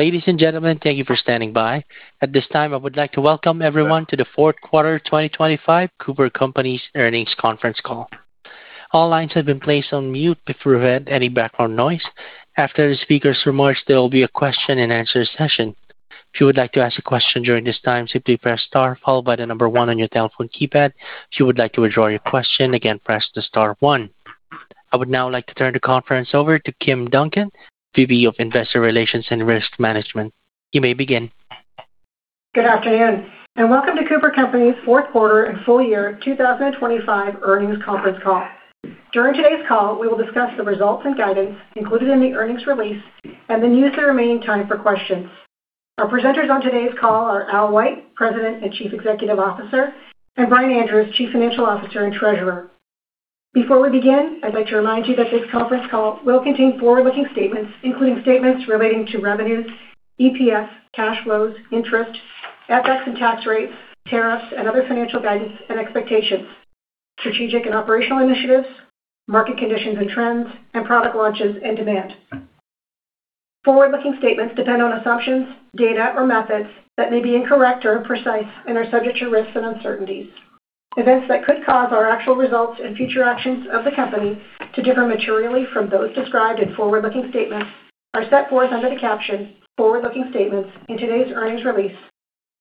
Ladies and gentlemen, thank you for standing by. At this time, I would like to welcome everyone to the Fourth Quarter 2025 Cooper Companies Earnings Conference Call. All lines have been placed on mute to prevent any background noise. After the speakers are merged, there will be a question-and-answer session. If you would like to ask a question during this time, simply press star followed by the number one on your telephone keypad. If you would like to withdraw your question, again, press the star one. I would now like to turn the conference over to Kim Duncan, VP of Investor Relations and Risk Management. You may begin. Good afternoon, and welcome to Cooper Companies' Fourth Quarter and Full Year 2025 Earnings Conference Call. During today's call, we will discuss the results and guidance included in the earnings release and then use the remaining time for questions. Our presenters on today's call are Al White, President and Chief Executive Officer, and Brian Andrews, Chief Financial Officer and Treasurer. Before we begin, I'd like to remind you that this conference call will contain forward-looking statements, including statements relating to revenues, EPS, cash flows, interest, FX and tax rates, tariffs, and other financial guidance and expectations, strategic and operational initiatives, market conditions and trends, and product launches and demand. Forward-looking statements depend on assumptions, data, or methods that may be incorrect or imprecise and are subject to risks and uncertainties. Events that could cause our actual results and future actions of the company to differ materially from those described in forward-looking statements are set forth under the caption, "Forward-looking Statements," in today's earnings release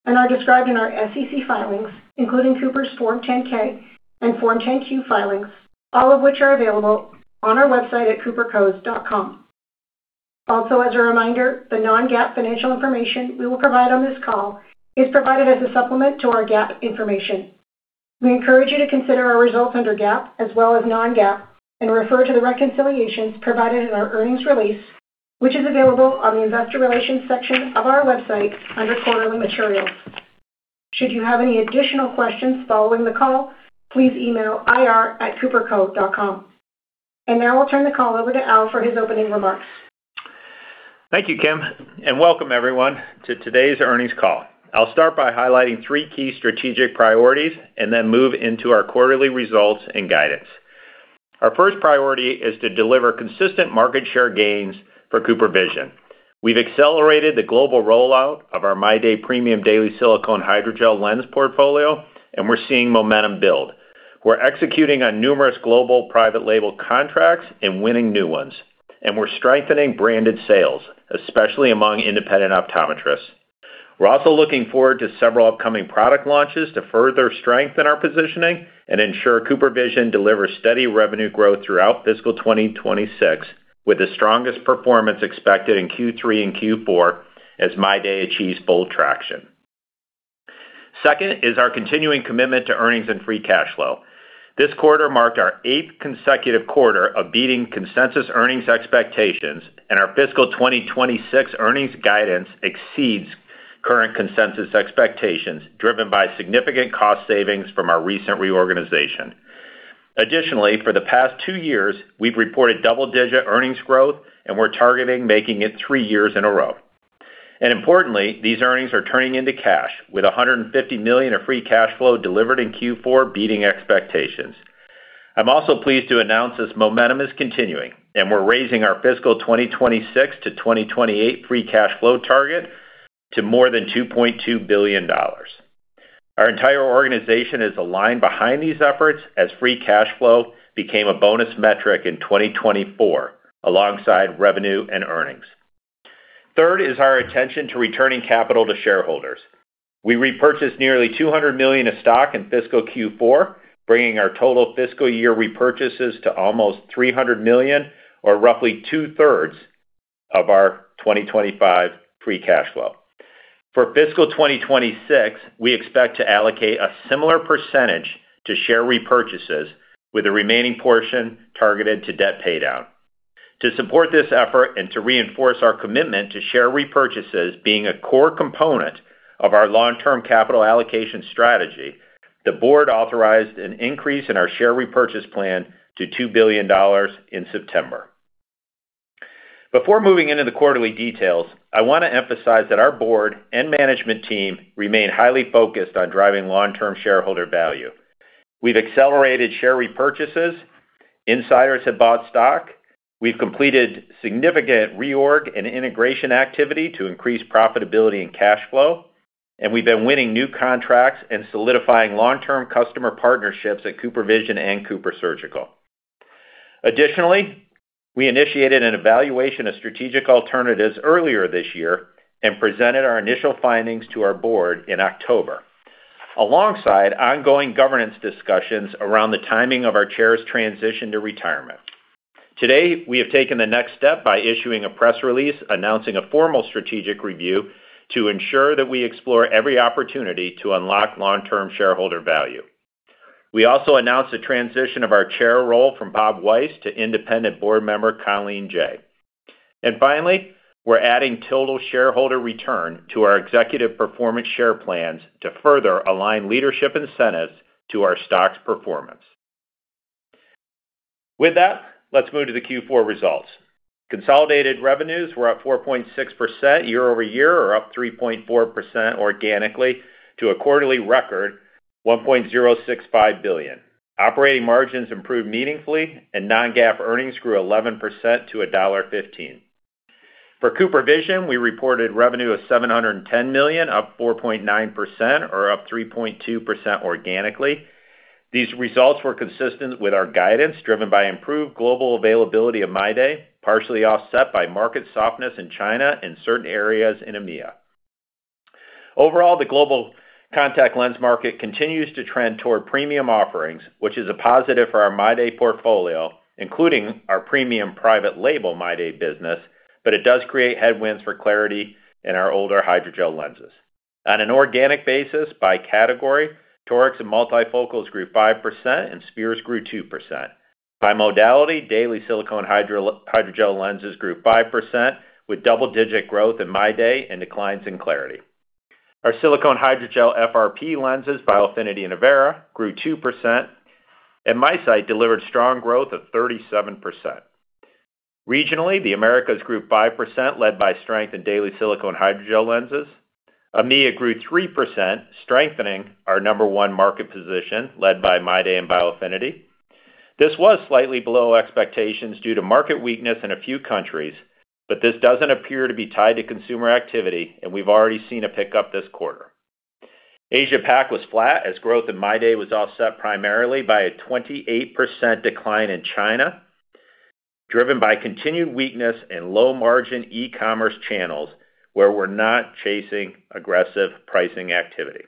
and are described in our SEC filings, including Cooper's Form 10-K and Form 10-Q filings, all of which are available on our website at coopercos.com. Also, as a reminder, the non-GAAP financial information we will provide on this call is provided as a supplement to our GAAP information. We encourage you to consider our results under GAAP as well as non-GAAP and refer to the reconciliations provided in our earnings release, which is available on the Investor Relations section of our website under quarterly materials. Should you have any additional questions following the call, please email ir@cooperco.com. And now I'll turn the call over to Al for his opening remarks. Thank you, Kim, and welcome everyone to today's earnings call. I'll start by highlighting three key strategic priorities and then move into our quarterly results and guidance. Our first priority is to deliver consistent market share gains for CooperVision. We've accelerated the global rollout of our MyDay Premium Daily Silicone Hydrogel Lens portfolio, and we're seeing momentum build. We're executing on numerous global private label contracts and winning new ones, and we're strengthening branded sales, especially among independent optometrists. We're also looking forward to several upcoming product launches to further strengthen our positioning and ensure CooperVision delivers steady revenue growth throughout fiscal 2026, with the strongest performance expected in Q3 and Q4 as MyDay achieves bold traction. Second is our continuing commitment to earnings and free cash flow. This quarter marked our eighth consecutive quarter of beating consensus earnings expectations, and our fiscal 2026 earnings guidance exceeds current consensus expectations driven by significant cost savings from our recent reorganization. Additionally, for the past two years, we've reported double-digit earnings growth, and we're targeting making it three years in a row. And importantly, these earnings are turning into cash, with $150 million of free cash flow delivered in Q4 beating expectations. I'm also pleased to announce this momentum is continuing, and we're raising our fiscal 2026-2028 free cash flow target to more than $2.2 billion. Our entire organization is aligned behind these efforts as free cash flow became a bonus metric in 2024 alongside revenue and earnings. Third is our attention to returning capital to shareholders. We repurchased nearly $200 million of stock in fiscal Q4, bringing our total fiscal year repurchases to almost $300 million, or roughly two-thirds of our 2025 free cash flow. For fiscal 2026, we expect to allocate a similar percentage to share repurchases, with the remaining portion targeted to debt paydown. To support this effort and to reinforce our commitment to share repurchases being a core component of our long-term capital allocation strategy, the board authorized an increase in our share repurchase plan to $2 billion in September. Before moving into the quarterly details, I want to emphasize that our board and management team remain highly focused on driving long-term shareholder value. We've accelerated share repurchases, insiders have bought stock, we've completed significant reorg and integration activity to increase profitability and cash flow, and we've been winning new contracts and solidifying long-term customer partnerships at CooperVision and CooperSurgical. Additionally, we initiated an evaluation of strategic alternatives earlier this year and presented our initial findings to our board in October, alongside ongoing governance discussions around the timing of our chair's transition to retirement. Today, we have taken the next step by issuing a press release announcing a formal strategic review to ensure that we explore every opportunity to unlock long-term shareholder value. We also announced the transition of our chair role from Bob White to independent board member Colleen Jay. And finally, we're adding total shareholder return to our executive performance share plans to further align leadership incentives to our stock's performance. With that, let's move to the Q4 results. Consolidated revenues were up 4.6% year over year, or up 3.4% organically to a quarterly record of $1.065 billion. Operating margins improved meaningfully, and non-GAAP earnings grew 11% to $1.15. For CooperVision, we reported revenue of $710 million, up 4.9%, or up 3.2% organically. These results were consistent with our guidance driven by improved global availability of MyDay, partially offset by market softness in China and certain areas in EMEA. Overall, the global contact lens market continues to trend toward premium offerings, which is a positive for our MyDay portfolio, including our premium private label MyDay business, but it does create headwinds for clariti in our older hydrogel lenses. On an organic basis, by category, toric and multifocals grew 5%, and spheres grew 2%. By modality, daily silicone hydrogel lenses grew 5%, with double-digit growth in MyDay and declines in clariti. Our silicone hydrogel FRP lenses by Biofinity and Avaira grew 2%, and MiSight delivered strong growth of 37%. Regionally, the Americas grew 5%, led by strength in daily silicone hydrogel lenses. EMEA grew 3%, strengthening our number one market position, led by MyDay and by Biofinity. This was slightly below expectations due to market weakness in a few countries, but this doesn't appear to be tied to consumer activity, and we've already seen a pickup this quarter. Asia-Pac was flat as growth in MyDay was offset primarily by a 28% decline in China, driven by continued weakness in low-margin e-commerce channels where we're not chasing aggressive pricing activity.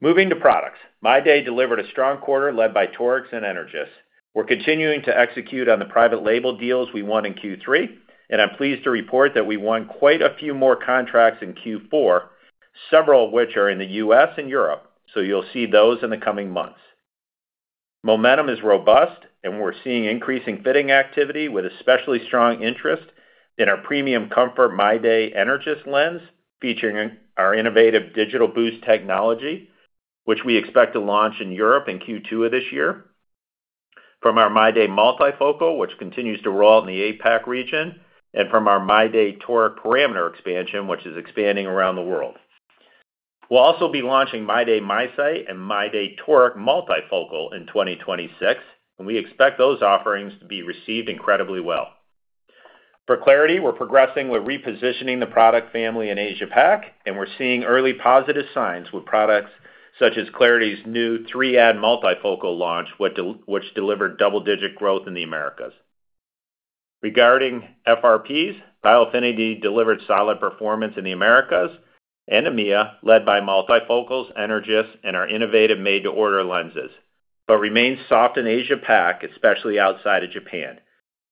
Moving to products, MyDay delivered a strong quarter led by Toric and Energys. We're continuing to execute on the private label deals we won in Q3, and I'm pleased to report that we won quite a few more contracts in Q4, several of which are in the U.S. and Europe, so you'll see those in the coming months. Momentum is robust, and we're seeing increasing fitting activity with especially strong interest in our premium comfort MyDay Energys lens featuring our innovative DigitalBoost Technology, which we expect to launch in Europe in Q2 of this year, from our MyDay multifocal, which continues to roll out in the APAC region, and from our MyDay Toric portfolio expansion, which is expanding around the world. We'll also be launching MyDay MiSight and MyDay Toric multifocal in 2026, and we expect those offerings to be received incredibly well. For clariti, we're progressing with repositioning the product family in Asia-Pac, and we're seeing early positive signs with products such as clariti's new 3N multifocal launch, which delivered double-digit growth in the Americas. Regarding FRPs, Biofinity delivered solid performance in the Americas and EMEA, led by multifocals, Energys, and our innovative made-to-order lenses, but remained soft in Asia-Pac, especially outside of Japan.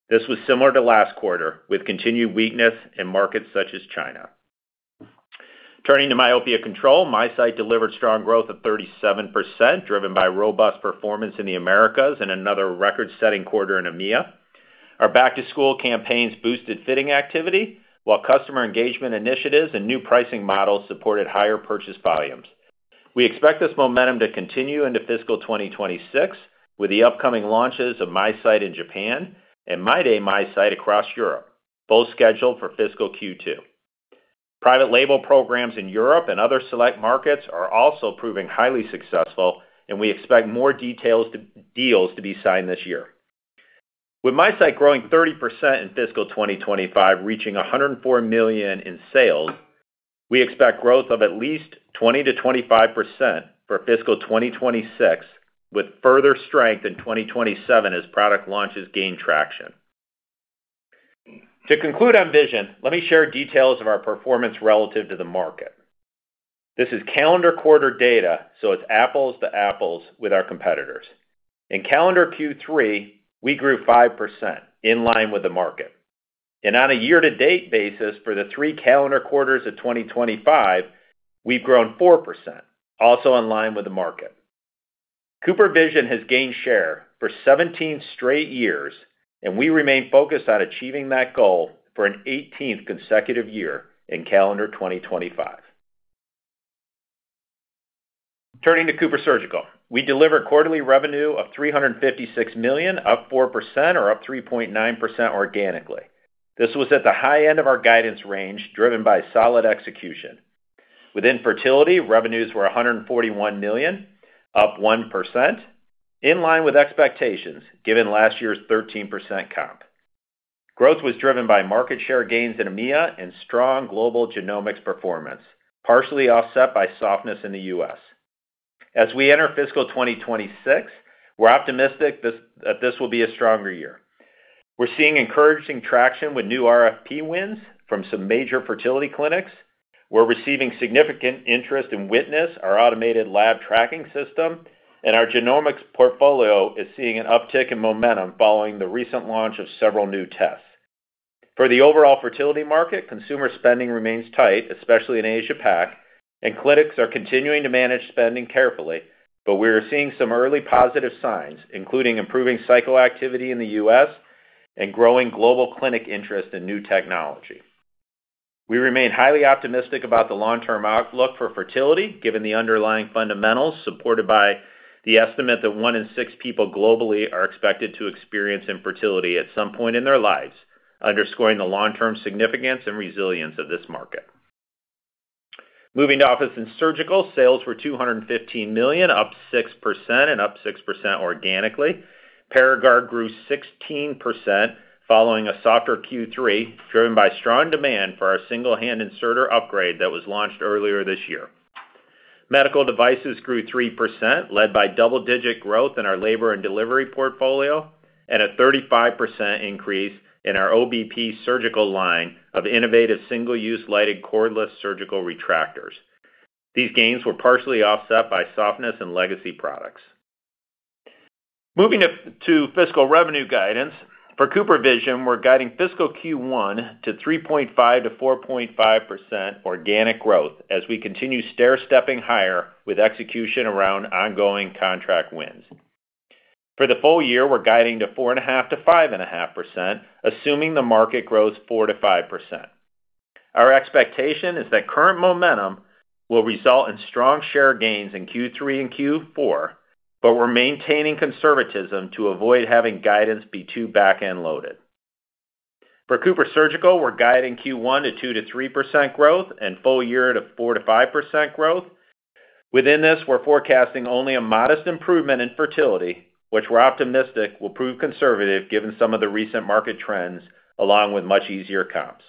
This was similar to last quarter with continued weakness in markets such as China. Turning to myopia control, MiSight delivered strong growth of 37%, driven by robust performance in the Americas and another record-setting quarter in EMEA. Our back-to-school campaigns boosted fitting activity, while customer engagement initiatives and new pricing models supported higher purchase volumes. We expect this momentum to continue into fiscal 2026 with the upcoming launches of MiSight in Japan and MyDay MiSight across Europe, both scheduled for fiscal Q2. Private label programs in Europe and other select markets are also proving highly successful, and we expect more detailed deals to be signed this year. With MiSight growing 30% in fiscal 2025, reaching $104 million in sales, we expect growth of at least 20%-25% for fiscal 2026, with further strength in 2027 as product launches gain traction. To conclude on vision, let me share details of our performance relative to the market. This is calendar quarter data, so it's apples to apples with our competitors. In calendar Q3, we grew 5% in line with the market, and on a year-to-date basis for the three calendar quarters of 2025, we've grown 4%, also in line with the market. CooperVision has gained share for 17 straight years, and we remain focused on achieving that goal for an 18th consecutive year in calendar 2025. Turning to CooperSurgical, we delivered quarterly revenue of $356 million, up 4%, or up 3.9% organically. This was at the high end of our guidance range, driven by solid execution. Within fertility, revenues were $141 million, up 1%, in line with expectations given last year's 13% comp. Growth was driven by market share gains in EMEA and strong global genomics performance, partially offset by softness in the U.S. As we enter fiscal 2026, we're optimistic that this will be a stronger year. We're seeing encouraging traction with new RFP wins from some major fertility clinics. We're receiving significant interest in Witness, our automated lab tracking system, and our genomics portfolio is seeing an uptick in momentum following the recent launch of several new tests. For the overall fertility market, consumer spending remains tight, especially in Asia-Pac, and clinics are continuing to manage spending carefully, but we are seeing some early positive signs, including improving cycle activity in the U.S. and growing global clinic interest in new technology. We remain highly optimistic about the long-term outlook for fertility, given the underlying fundamentals supported by the estimate that one in six people globally are expected to experience infertility at some point in their lives, underscoring the long-term significance and resilience of this market. Moving to Office and Surgical, sales were $215 million, up 6%, and up 6% organically. Paragard grew 16% following a softer Q3, driven by strong demand for our single-hand inserter upgrade that was launched earlier this year. Medical devices grew 3%, led by double-digit growth in our labor and delivery portfolio, and a 35% increase in our OBP surgical line of innovative single-use lighted cordless surgical retractors. These gains were partially offset by softness in legacy products. Moving to fiscal revenue guidance, for CooperVision, we're guiding fiscal Q1 to 3.5%-4.5% organic growth as we continue stair-stepping higher with execution around ongoing contract wins. For the full year, we're guiding to 4.5%-5.5%, assuming the market grows 4%-5%. Our expectation is that current momentum will result in strong share gains in Q3 and Q4, but we're maintaining conservatism to avoid having guidance be too back-end loaded. For CooperSurgical, we're guiding Q1 to 2%-3% growth and full year to 4%-5% growth. Within this, we're forecasting only a modest improvement in fertility, which we're optimistic will prove conservative given some of the recent market trends along with much easier comps.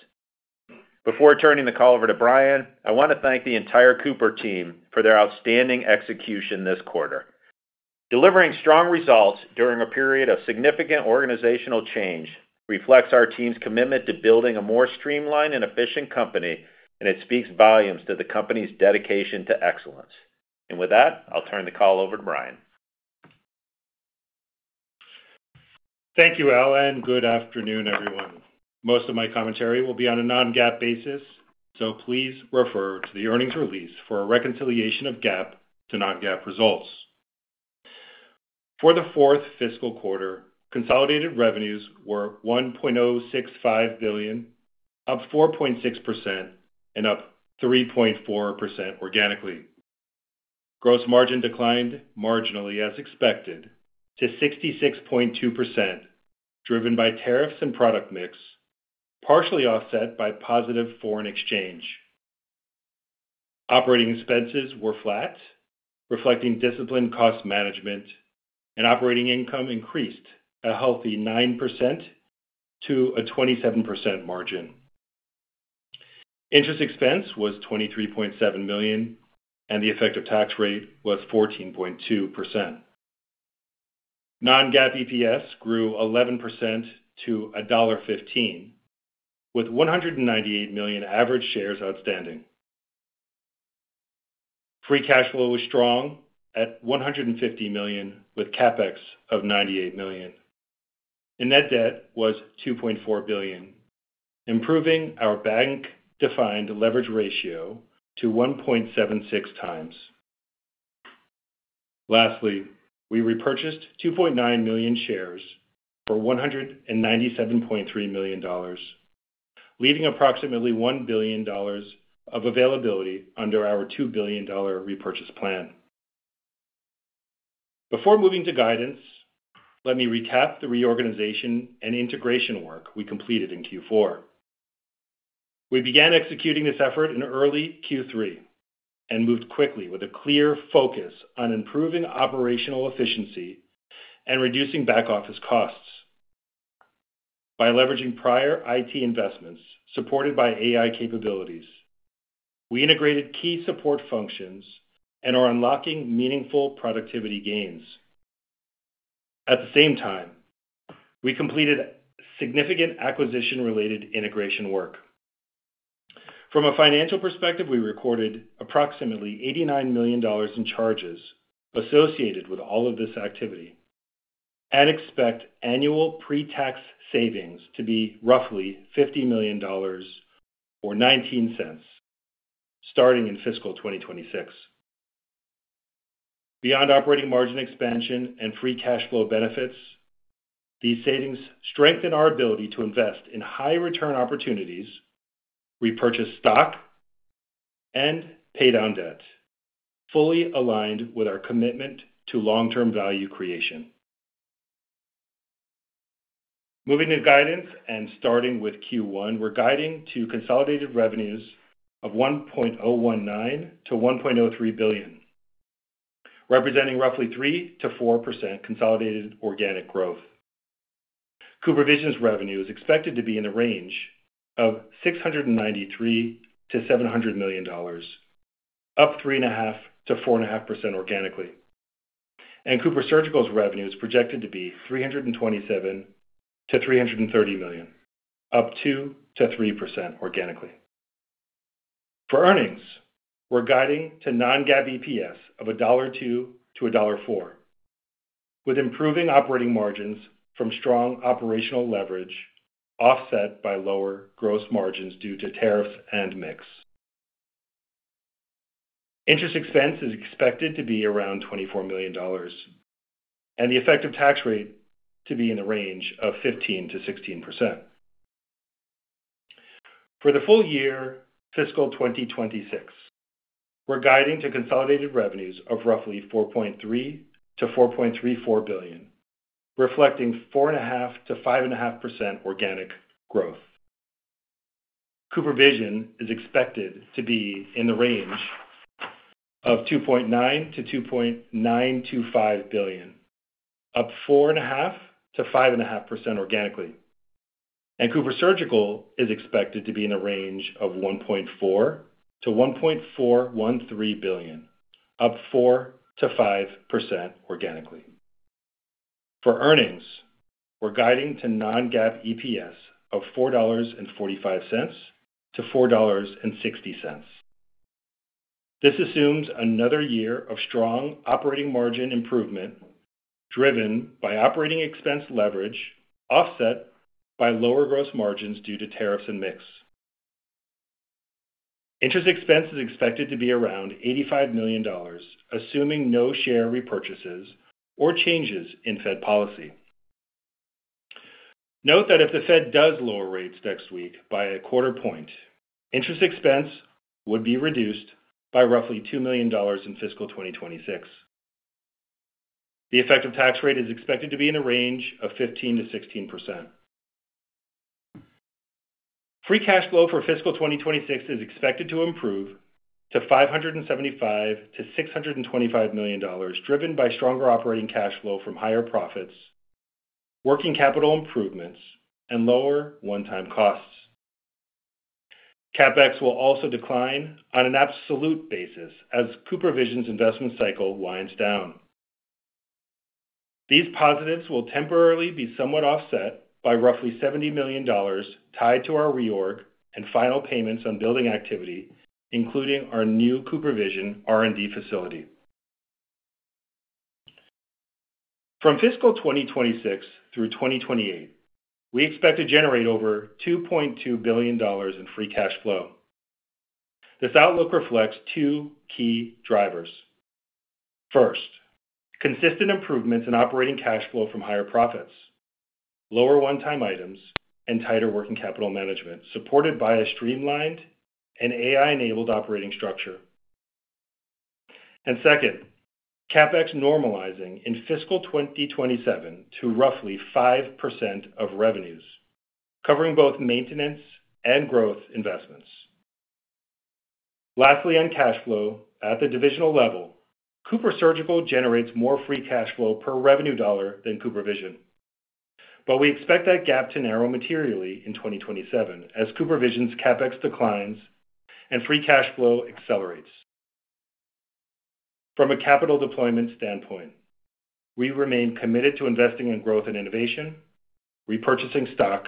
Before turning the call over to Brian, I want to thank the entire Cooper team for their outstanding execution this quarter. Delivering strong results during a period of significant organizational change reflects our team's commitment to building a more streamlined and efficient company, and it speaks volumes to the company's dedication to excellence. And with that, I'll turn the call over to Brian. Thank you, Al, and good afternoon, everyone. Most of my commentary will be on a non-GAAP basis, so please refer to the earnings release for a reconciliation of GAAP to non-GAAP results. For the fourth fiscal quarter, consolidated revenues were $1.065 billion, up 4.6%, and up 3.4% organically. Gross margin declined marginally, as expected, to 66.2%, driven by tariffs and product mix, partially offset by positive foreign exchange. Operating expenses were flat, reflecting disciplined cost management, and operating income increased a healthy 9% to a 27% margin. Interest expense was $23.7 million, and the effective tax rate was 14.2%. Non-GAAP EPS grew 11% to $1.15, with 198 million average shares outstanding. Free cash flow was strong at $150 million, with CapEx of $98 million. Net debt was $2.4 billion, improving our bank-defined leverage ratio to 1.76x. Lastly, we repurchased 2.9 million shares for $197.3 million, leaving approximately $1 billion of availability under our $2 billion repurchase plan. Before moving to guidance, let me recap the reorganization and integration work we completed in Q4. We began executing this effort in early Q3 and moved quickly with a clear focus on improving operational efficiency and reducing back-office costs. By leveraging prior IT investments supported by AI capabilities, we integrated key support functions and are unlocking meaningful productivity gains. At the same time, we completed significant acquisition-related integration work. From a financial perspective, we recorded approximately $89 million in charges associated with all of this activity and expect annual pre-tax savings to be roughly $50 million or $0.19 starting in fiscal 2026. Beyond operating margin expansion and free cash flow benefits, these savings strengthen our ability to invest in high-return opportunities, repurchase stock, and pay down debt, fully aligned with our commitment to long-term value creation. Moving to guidance and starting with Q1, we're guiding to consolidated revenues of $1.019 billion-$1.03 billion, representing roughly 3%-4% consolidated organic growth. CooperVision's revenue is expected to be in the range of $693 million-$700 million, up 3.5%-4.5% organically, and CooperSurgical's revenue is projected to be $327 million-$330 million, up 2%-3% organically. For earnings, we're guiding to non-GAAP EPS of $1.02-$1.04, with improving operating margins from strong operational leverage offset by lower gross margins due to tariffs and mix. Interest expense is expected to be around $24 million, and the effective tax rate to be in the range of 15%-16%. For the full year, fiscal 2026, we're guiding to consolidated revenues of roughly $4.3 billion-$4.34 billion, reflecting 4.5%-5.5% organic growth. CooperVision is expected to be in the range of $2.9 billion-$2.925 billion, up 4.5%-5.5% organically, and CooperSurgical is expected to be in the range of $1.4 billion-$1.413 billion, up 4%-5% organically. For earnings, we're guiding to non-GAAP EPS of $4.45-$4.60. This assumes another year of strong operating margin improvement driven by operating expense leverage offset by lower gross margins due to tariffs and mix. Interest expense is expected to be around $85 million, assuming no share repurchases or changes in Fed policy. Note that if the Fed does lower rates next week by a quarter point, interest expense would be reduced by roughly $2 million in fiscal 2026. The effective tax rate is expected to be in the range of 15%-16%. Free cash flow for fiscal 2026 is expected to improve to $575 million-$625 million, driven by stronger operating cash flow from higher profits, working capital improvements, and lower one-time costs. CapEx will also decline on an absolute basis as CooperVision's investment cycle winds down. These positives will temporarily be somewhat offset by roughly $70 million tied to our reorg and final payments on building activity, including our new CooperVision R&D facility. From fiscal 2026 through 2028, we expect to generate over $2.2 billion in free cash flow. This outlook reflects two key drivers. First, consistent improvements in operating cash flow from higher profits, lower one-time items, and tighter working capital management supported by a streamlined and AI-enabled operating structure. Second, CapEx normalizing in fiscal 2027 to roughly 5% of revenues, covering both maintenance and growth investments. Lastly, on cash flow at the divisional level, CooperSurgical generates more free cash flow per revenue dollar than CooperVision, but we expect that gap to narrow materially in 2027 as CooperVision's CapEx declines and free cash flow accelerates. From a capital deployment standpoint, we remain committed to investing in growth and innovation, repurchasing stock,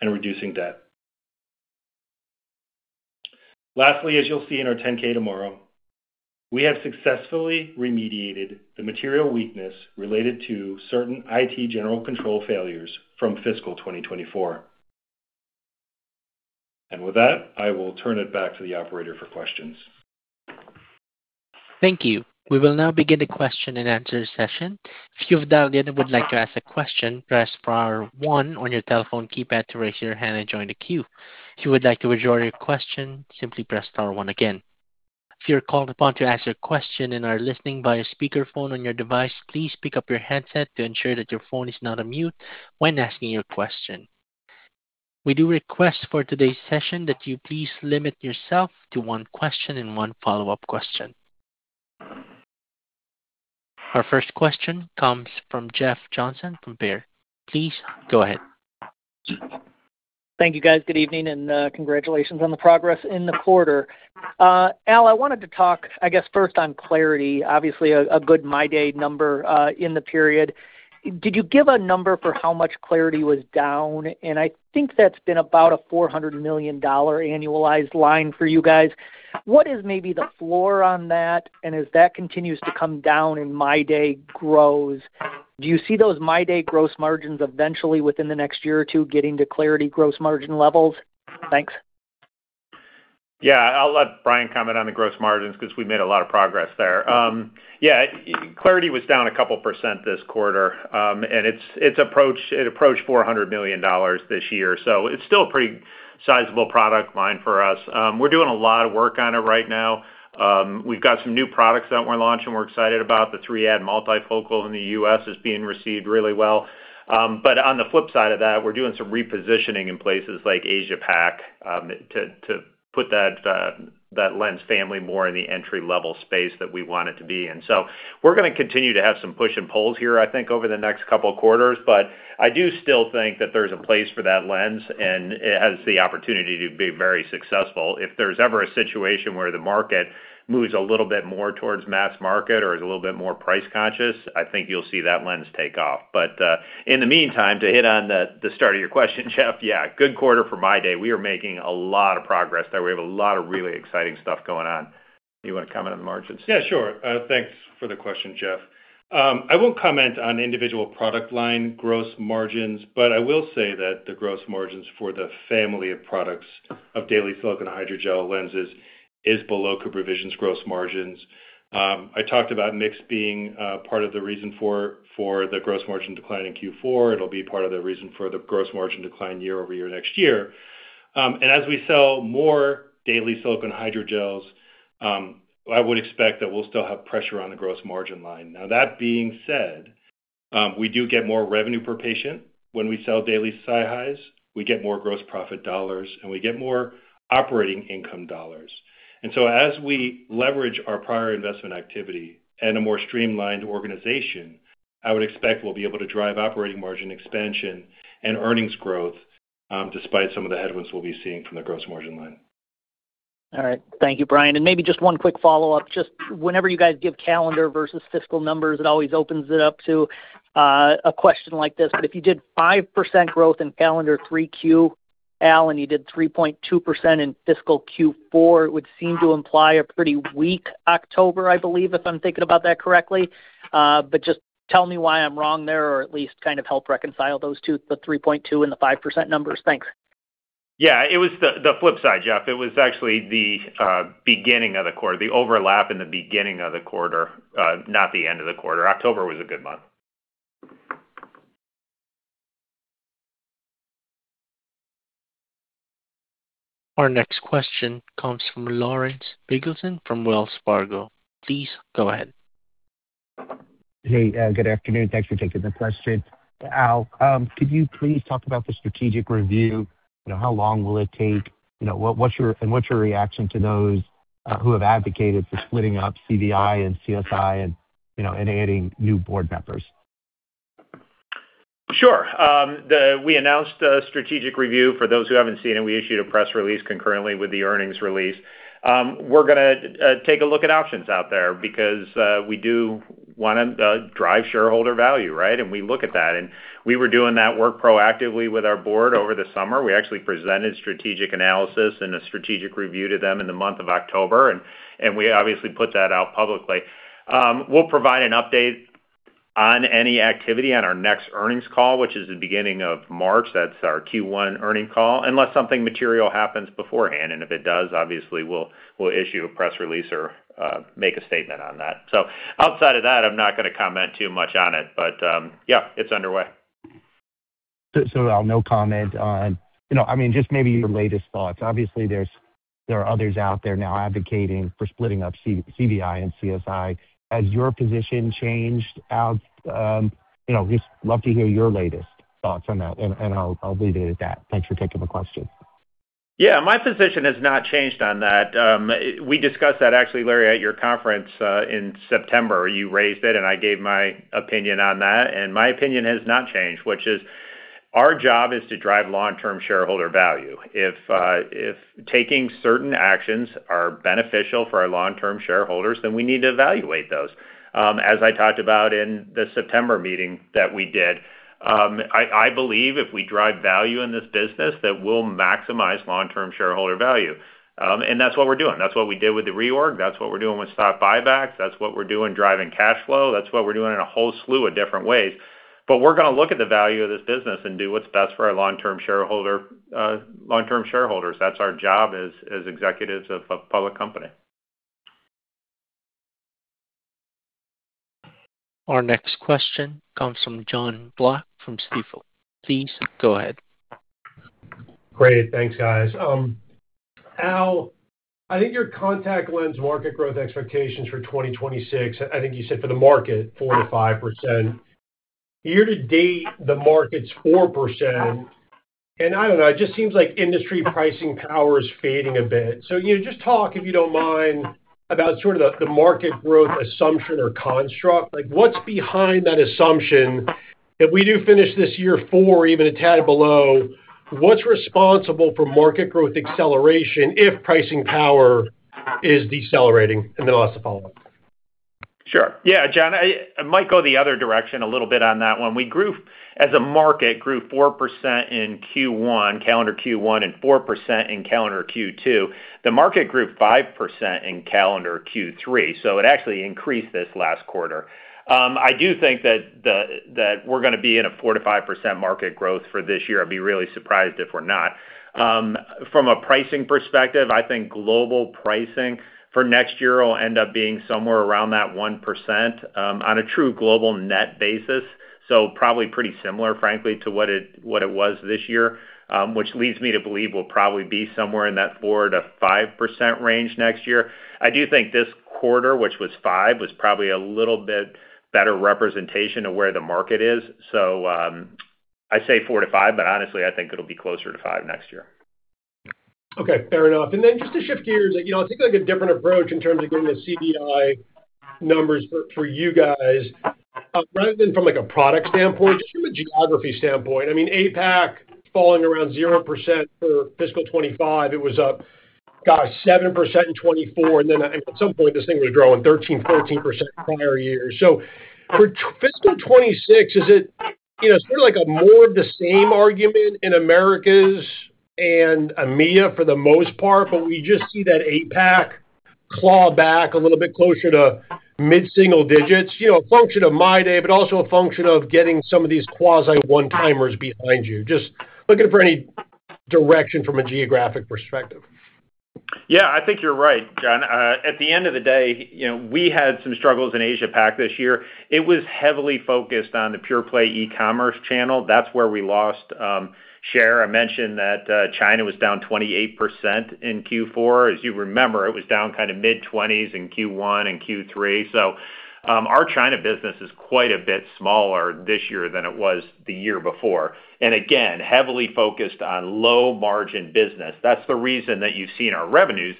and reducing debt. Lastly, as you'll see in our Form 10-K tomorrow, we have successfully remediated the material weakness related to certain IT general control failures from fiscal 2024. And with that, I will turn it back to the operator for questions. Thank you. We will now begin the question and answer session. If you've dialed in and would like to ask a question, press star one on your telephone keypad to raise your hand and join the queue. If you would like to withdraw your question, simply press star one again. If you're called upon to ask a question and are listening via speakerphone on your device, please pick up your headset to ensure that your phone is not on mute when asking your question. We do request for today's session that you please limit yourself to one question and one follow-up question. Our first question comes from Jeff Johnson from Baird. Please go ahead. Thank you, guys. Good evening and congratulations on the progress in the quarter. Al, I wanted to talk, I guess, first on clariti. Obviously, a good MyDay number in the period. Did you give a number for how much clariti was down? I think that's been about a $400 million annualized line for you guys. What is maybe the floor on that? And as that continues to come down and MyDay grows, do you see those MyDay gross margins eventually within the next year or two getting to clariti gross margin levels? Thanks. Yeah. I'll let Brian comment on the gross margins because we made a lot of progress there. Yeah. clariti was down a couple% this quarter, and it approached $400 million this year. So it's still a pretty sizable product line for us. We're doing a lot of work on it right now. We've got some new products that we're launching. We're excited about. The 3 Add multifocal in the U.S. is being received really well. But on the flip side of that, we're doing some repositioning in places like Asia-Pac to put that lens family more in the entry-level space that we want it to be. And so we're going to continue to have some push and pulls here, I think, over the next couple quarters. But I do still think that there's a place for that lens, and it has the opportunity to be very successful. If there's ever a situation where the market moves a little bit more towards mass market or is a little bit more price conscious, I think you'll see that lens take off. But in the meantime, to hit on the start of your question, Jeff, yeah, good quarter for MyDay. We are making a lot of progress there. We have a lot of really exciting stuff going on. You want to comment on the margins? Yeah, sure. Thanks for the question, Jeff. I won't comment on individual product line gross margins, but I will say that the gross margins for the family of products of daily silicone hydrogel lenses is below CooperVision's gross margins. I talked about mix being part of the reason for the gross margin decline in Q4. It'll be part of the reason for the gross margin decline year over year next year. And as we sell more daily silicone hydrogels, I would expect that we'll still have pressure on the gross margin line. Now, that being said, we do get more revenue per patient when we sell daily SiHys. We get more gross profit dollars, and we get more operating income dollars. And so as we leverage our prior investment activity and a more streamlined organization, I would expect we'll be able to drive operating margin expansion and earnings growth despite some of the headwinds we'll be seeing from the gross margin line. All right. Thank you, Brian. And maybe just one quick follow-up. Just whenever you guys give calendar versus fiscal numbers, it always opens it up to a question like this. But if you did 5% growth in calendar three Q, Al, and you did 3.2% in fiscal Q4, it would seem to imply a pretty weak October, I believe, if I'm thinking about that correctly. But just tell me why I'm wrong there or at least kind of help reconcile those two, the 3.2 and the 5% numbers. Thanks. Yeah. It was the flip side, Jeff. It was actually the beginning of the quarter, the overlap in the beginning of the quarter, not the end of the quarter. October was a good month. Our next question comes from Lawrence Biegelsen from Wells Fargo. Please go ahead. Hey, good afternoon. Thanks for taking the question. Al, could you please talk about the strategic review? How long will it take? And what's your reaction to those who have advocated for splitting up CVI and CSI and adding new board members? Sure. We announced a strategic review for those who haven't seen it. We issued a press release concurrently with the earnings release. We're going to take a look at options out there because we do want to drive shareholder value, right? And we look at that. And we were doing that work proactively with our board over the summer. We actually presented strategic analysis and a strategic review to them in the month of October. We obviously put that out publicly. We'll provide an update on any activity on our next earnings call, which is the beginning of March. That's our Q1 earnings call, unless something material happens beforehand. If it does, obviously, we'll issue a press release or make a statement on that. Outside of that, I'm not going to comment too much on it. But yeah, it's underway. So Al, no comment on, I mean, just maybe your latest thoughts. Obviously, there are others out there now advocating for splitting up CVI and CSI. Has your position changed? Al, just love to hear your latest thoughts on that. I'll leave it at that. Thanks for taking the question. Yeah. My position has not changed on that. We discussed that, actually, Larry, at your conference in September. You raised it, and I gave my opinion on that. And my opinion has not changed, which is our job is to drive long-term shareholder value. If taking certain actions are beneficial for our long-term shareholders, then we need to evaluate those. As I talked about in the September meeting that we did, I believe if we drive value in this business, that we'll maximize long-term shareholder value. And that's what we're doing. That's what we did with the reorg. That's what we're doing with stock buybacks. That's what we're doing driving cash flow. That's what we're doing in a whole slew of different ways. But we're going to look at the value of this business and do what's best for our long-term shareholders. That's our job as executives of a public company. Our next question comes from Jon Block from Stifel. Please go ahead. Great. Thanks, guys. Al, I think your contact lens market growth expectations for 2026, I think you said for the market, 4%-5%. Year-to-date, the market's 4%. And I don't know. It just seems like industry pricing power is fading a bit. So just talk, if you don't mind, about sort of the market growth assumption or construct. What's behind that assumption? If we do finish this year 4%, even a tad below, what's responsible for market growth acceleration if pricing power is decelerating? And then I'll ask the follow-up. Sure. Yeah, Jon, I might go the other direction a little bit on that one. We grew as a market grew 4% in Q1, calendar Q1, and 4% in calendar Q2. The market grew 5% in calendar Q3. So it actually increased this last quarter. I do think that we're going to be in a 4%-5% market growth for this year. I'd be really surprised if we're not. From a pricing perspective, I think global pricing for next year will end up being somewhere around that 1% on a true global net basis. So probably pretty similar, frankly, to what it was this year, which leads me to believe we'll probably be somewhere in that 4%-5% range next year. I do think this quarter, which was 5%, was probably a little bit better representation of where the market is. So I say 4%-5%, but honestly, I think it'll be closer to 5% next year. Okay. Fair enough. And then just to shift gears, I think a different approach in terms of getting the CVI numbers for you guys, rather than from a product standpoint, just from a geography standpoint. I mean, APAC falling around zero percetn for fiscal 2025. It was up, gosh, seven percent in 2024. And then at some point, this thing was growing 13%-14% prior year. So for fiscal 2026, is it sort of like a more of the same argument in Americas and EMEA for the most part? But we just see that APAC claw back a little bit closer to mid-single digits, a function of MyDay, but also a function of getting some of these quasi one-timers behind you. Just looking for any direction from a geographic perspective. Yeah. I think you're right, Jon. At the end of the day, we had some struggles in Asia-Pac this year. It was heavily focused on the pure play e-commerce channel. That's where we lost share. I mentioned that China was down 28% in Q4. As you remember, it was down kind of mid-20s in Q1 and Q3. So our China business is quite a bit smaller this year than it was the year before. And again, heavily focused on low-margin business. That's the reason that you've seen our revenues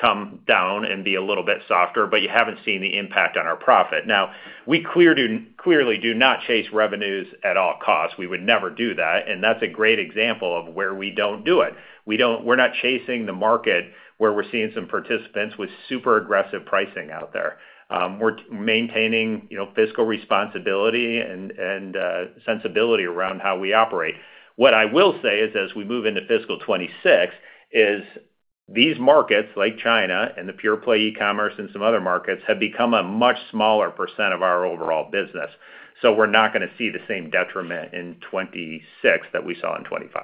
come down and be a little bit softer, but you haven't seen the impact on our profit. Now, we clearly do not chase revenues at all costs. We would never do that. And that's a great example of where we don't do it. We're not chasing the market where we're seeing some participants with super aggressive pricing out there. We're maintaining fiscal responsibility and sensibility around how we operate. What I will say is, as we move into fiscal 2026, these markets like China and the pure play e-commerce and some other markets have become a much smaller percent of our overall business. So we're not going to see the same detriment in 2026 that we saw in 2025.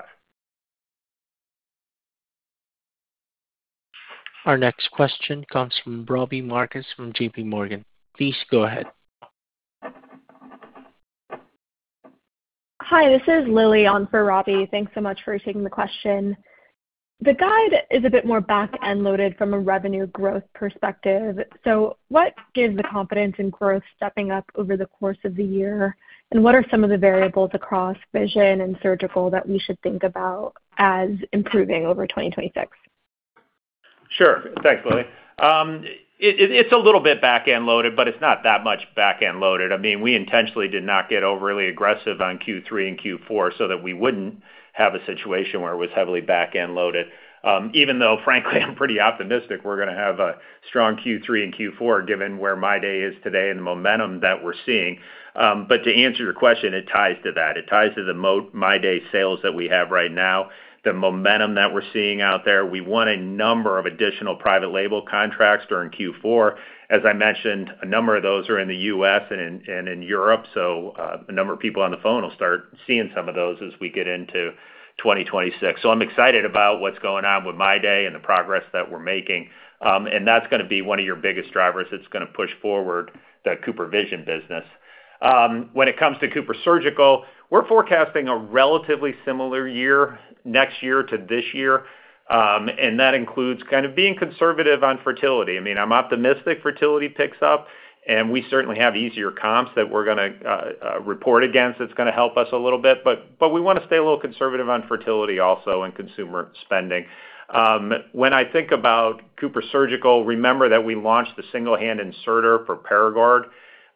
Our next question comes from Robbie Marcus from JPMorgan. Please go ahead. Hi. This is Lily on for Robbie. Thanks so much for taking the question. The guide is a bit more back-end loaded from a revenue growth perspective. So what gives the confidence in growth stepping up over the course of the year? And what are some of the variables across vision and surgical that we should think about as improving over 2026? Sure. Thanks, Lily. It's a little bit back-end loaded, but it's not that much back-end loaded. I mean, we intentionally did not get overly aggressive on Q3 and Q4 so that we wouldn't have a situation where it was heavily back-end loaded. Even though, frankly, I'm pretty optimistic we're going to have a strong Q3 and Q4 given where MyDay is today and the momentum that we're seeing. But to answer your question, it ties to that. It ties to the MyDay sales that we have right now, the momentum that we're seeing out there. We want a number of additional private label contracts during Q4. As I mentioned, a number of those are in the U.S. and in Europe. So a number of people on the phone will start seeing some of those as we get into 2026. So I'm excited about what's going on with MyDay and the progress that we're making. And that's going to be one of your biggest drivers that's going to push forward the CooperVision business. When it comes to CooperSurgical, we're forecasting a relatively similar year next year to this year. And that includes kind of being conservative on fertility. I mean, I'm optimistic fertility picks up, and we certainly have easier comps that we're going to report against that's going to help us a little bit. But we want to stay a little conservative on fertility also and consumer spending. When I think about CooperSurgical, remember that we launched the single-hand inserter for Paragard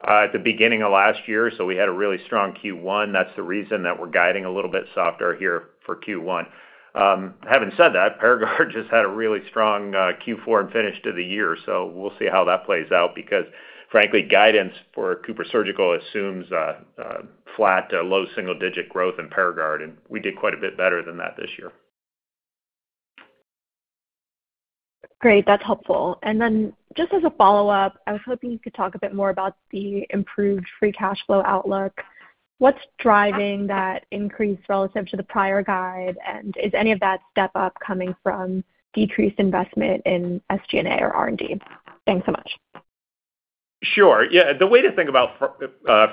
at the beginning of last year. So we had a really strong Q1. That's the reason that we're guiding a little bit softer here for Q1. Having said that, Paragard just had a really strong Q4 and finished to the year. So we'll see how that plays out because, frankly, guidance for CooperSurgical assumes flat, low single-digit growth in Paragard. And we did quite a bit better than that this year. Great. That's helpful. And then just as a follow-up, I was hoping you could talk a bit more about the improved free cash flow outlook. What's driving that increase relative to the prior guide? And is any of that step up coming from decreased investment in SG&A or R&D? Thanks so much. Sure. Yeah. The way to think about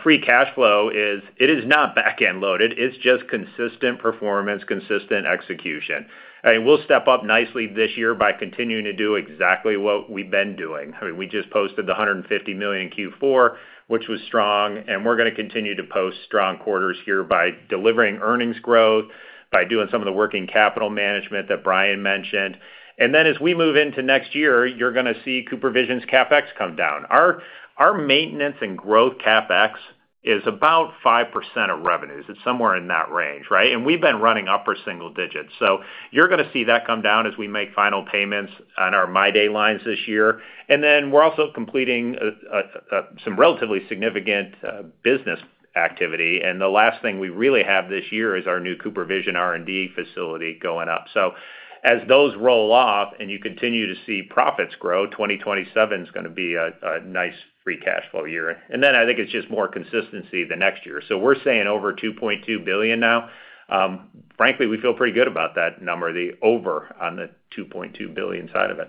free cash flow is it is not back-end loaded. It's just consistent performance, consistent execution. And we'll step up nicely this year by continuing to do exactly what we've been doing. I mean, we just posted $150 million in Q4, which was strong. We're going to continue to post strong quarters here by delivering earnings growth, by doing some of the working capital management that Brian mentioned. And then as we move into next year, you're going to see CooperVision's CapEx come down. Our maintenance and growth CapEx is about 5% of revenues. It's somewhere in that range, right? And we've been running upper single digits. So you're going to see that come down as we make final payments on our MyDay lines this year. And then we're also completing some relatively significant business activity. And the last thing we really have this year is our new CooperVision R&D facility going up. So as those roll off and you continue to see profits grow, 2027 is going to be a nice Free Cash Flow year. And then I think it's just more consistency the next year. So we're saying over $2.2 billion now. Frankly, we feel pretty good about that number, the over on the $2.2 billion side of it.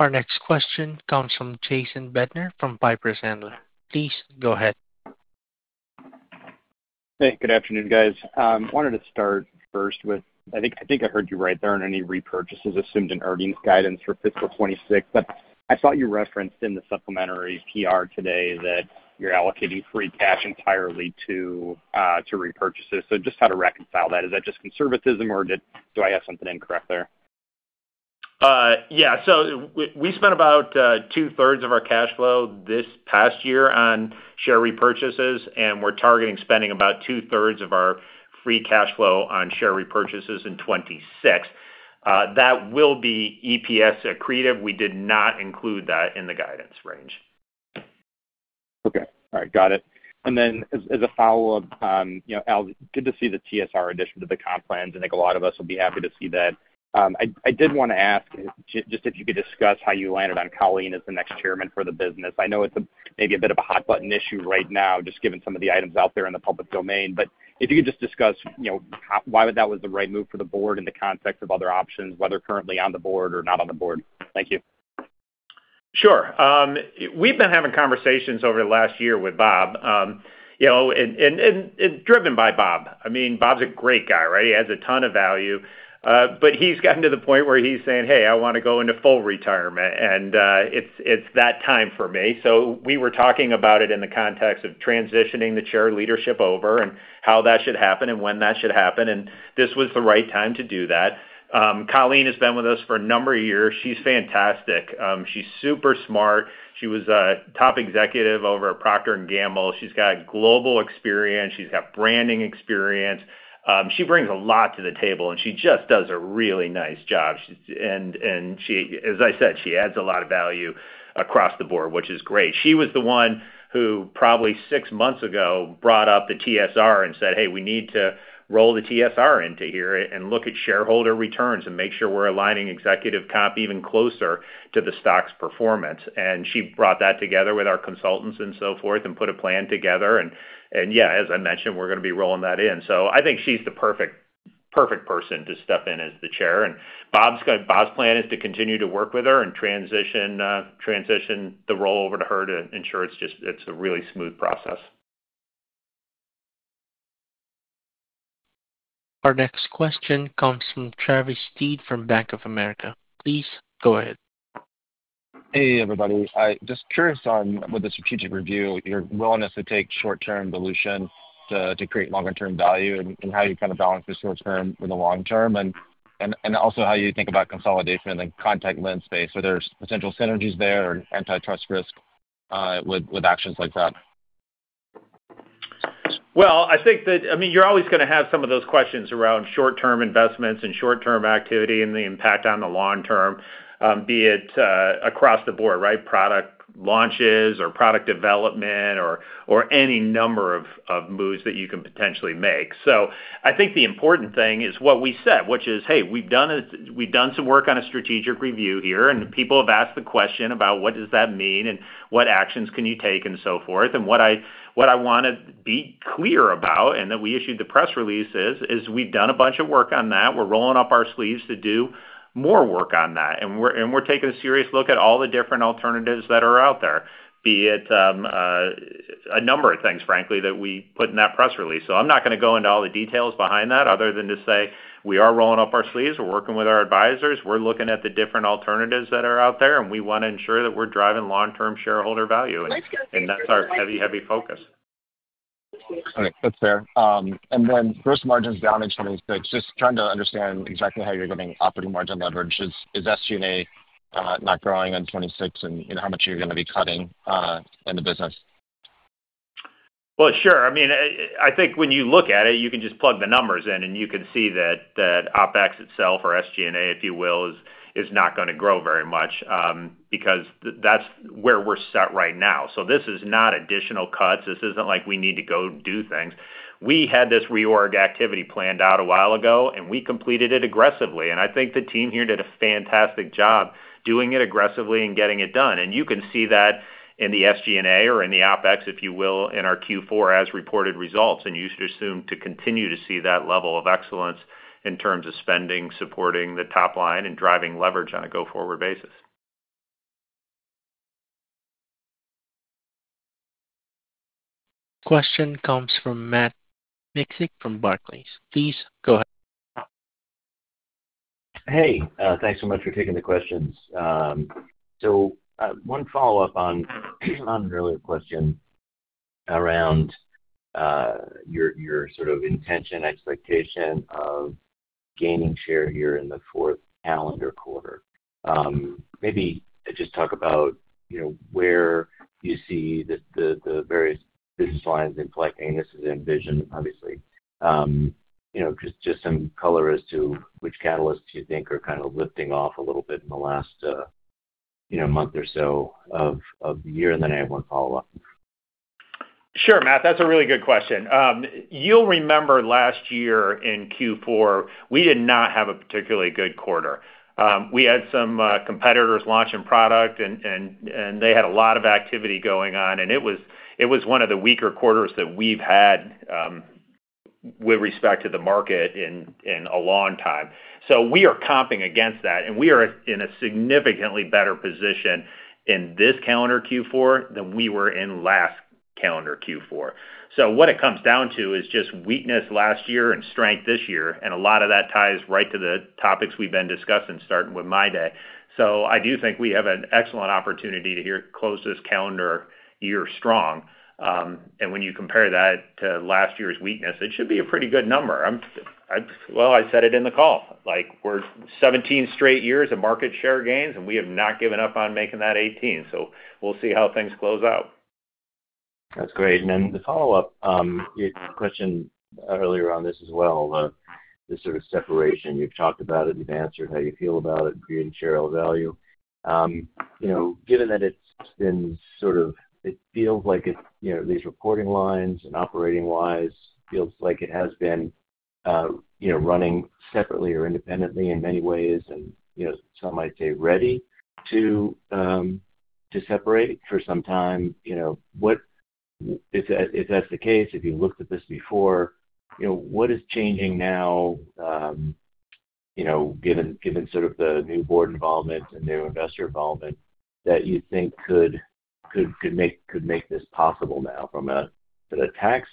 Our next question comes from Jason Bednar from Piper Sandler. Please go ahead. Hey, good afternoon, guys. I wanted to start first with, I think I heard you right there on any repurchases assumed in earnings guidance for fiscal 2026. But I saw you referenced in the supplementary PR today that you're allocating free cash entirely to repurchases. So just how to reconcile that? Is that just conservatism, or do I have something incorrect there? Yeah. So we spent about two-thirds of our cash flow this past year on share repurchases. And we're targeting spending about two-thirds of our free cash flow on share repurchases in 2026. That will be EPS accretive. We did not include that in the guidance range. Okay. All right. Got it. And then, as a follow-up, Al, good to see the TSR addition to the comp plans. I think a lot of us will be happy to see that. I did want to ask just if you could discuss how you landed on Colleen as the next chairman for the business. I know it's maybe a bit of a hot button issue right now, just given some of the items out there in the public domain. But if you could just discuss why that was the right move for the board in the context of other options, whether currently on the board or not on the board. Thank you. Sure. We've been having conversations over the last year with Bob, and driven by Bob. I mean, Bob's a great guy, right? He has a ton of value. But he's gotten to the point where he's saying, "Hey, I want to go into full retirement. And it's that time for me." So we were talking about it in the context of transitioning the chair leadership over and how that should happen and when that should happen. And this was the right time to do that. Colleen has been with us for a number of years. She's fantastic. She's super smart. She was a top executive over at Procter & Gamble. She's got global experience. She's got branding experience. She brings a lot to the table, and she just does a really nice job. And as I said, she adds a lot of value across the board, which is great. She was the one who probably six months ago brought up the TSR and said, "Hey, we need to roll the TSR into here and look at shareholder returns and make sure we're aligning executive comp even closer to the stock's performance." And she brought that together with our consultants and so forth and put a plan together. And yeah, as I mentioned, we're going to be rolling that in. So I think she's the perfect person to step in as the chair. And Bob's plan is to continue to work with her and transition the role over to her to ensure it's a really smooth process. Our next question comes from Travis Steed from Bank of America. Please go ahead. Hey, everybody. Just curious on with the strategic review, your willingness to take short-term dilution to create longer-term value and how you kind of balance the short-term with the long-term and also how you think about consolidation and then contact lens space. Are there potential synergies there or antitrust risk with actions like that? Well, I think that, I mean, you're always going to have some of those questions around short-term investments and short-term activity and the impact on the long-term, be it across the board, right? Product launches or product development or any number of moves that you can potentially make. So I think the important thing is what we said, which is, "Hey, we've done some work on a strategic review here." And people have asked the question about what does that mean and what actions can you take and so forth. What I want to be clear about and that we issued the press release is we've done a bunch of work on that. We're rolling up our sleeves to do more work on that. We're taking a serious look at all the different alternatives that are out there, be it a number of things, frankly, that we put in that press release. So I'm not going to go into all the details behind that other than to say we are rolling up our sleeves. We're working with our advisors. We're looking at the different alternatives that are out there. We want to ensure that we're driving long-term shareholder value. That's our heavy, heavy focus. All right. That's fair. Then gross margins down in 2026, just trying to understand exactly how you're getting operating margin leverage. Is SG&A not growing in 2026? And how much are you going to be cutting in the business? Well, sure. I mean, I think when you look at it, you can just plug the numbers in, and you can see that OpEx itself, or SG&A, if you will, is not going to grow very much because that's where we're set right now. So this is not additional cuts. This isn't like we need to go do things. We had this reorg activity planned out a while ago, and we completed it aggressively. And I think the team here did a fantastic job doing it aggressively and getting it done. And you can see that in the SG&A or in the OpEx, if you will, in our Q4 as reported results. And you should assume to continue to see that level of excellence in terms of spending, supporting the top line, and driving leverage on a go-forward basis. Question comes from Matt Miksic from Barclays. Please go ahead. Hey. Thanks so much for taking the questions. So one follow-up on an earlier question around your sort of intention, expectation of gaining share here in the fourth calendar quarter. Maybe just talk about where you see the various business lines inflecting. This is in vision, obviously. Just some color as to which catalysts you think are kind of lifting off a little bit in the last month or so of the year. And then I have one follow-up. Sure, Matt. That's a really good question. You'll remember last year in Q4, we did not have a particularly good quarter. We had some competitors launching product, and they had a lot of activity going on. And it was one of the weaker quarters that we've had with respect to the market in a long time. So we are comping against that. And we are in a significantly better position in this calendar Q4 than we were in last calendar Q4. So what it comes down to is just weakness last year and strength this year. And a lot of that ties right to the topics we've been discussing, starting with MyDay. So I do think we have an excellent opportunity to close this calendar year strong. And when you compare that to last year's weakness, it should be a pretty good number. Well, I said it in the call. We're 17 straight years of market share gains, and we have not given up on making that 18. So we'll see how things close out. That's great. And then the follow-up, your question earlier on this as well, the sort of separation you've talked about and you've answered how you feel about it creating shareholder value. Given that it's been sort of it feels like these reporting lines and operating-wise feels like it has been running separately or independently in many ways, and some might say ready to separate for some time. If that's the case, if you looked at this before, what is changing now, given sort of the new board involvement and new investor involvement, that you think could make this possible now from a tax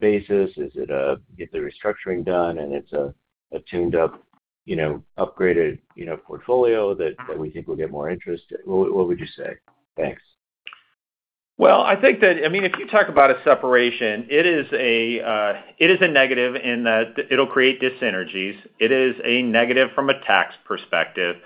basis? Is it a get the restructuring done, and it's a tuned-up, upgraded portfolio that we think will get more interest? What would you say? Thanks. I think that, I mean, if you talk about a separation, it is a negative in that it'll create dis-synergies. It is a negative from a tax perspective.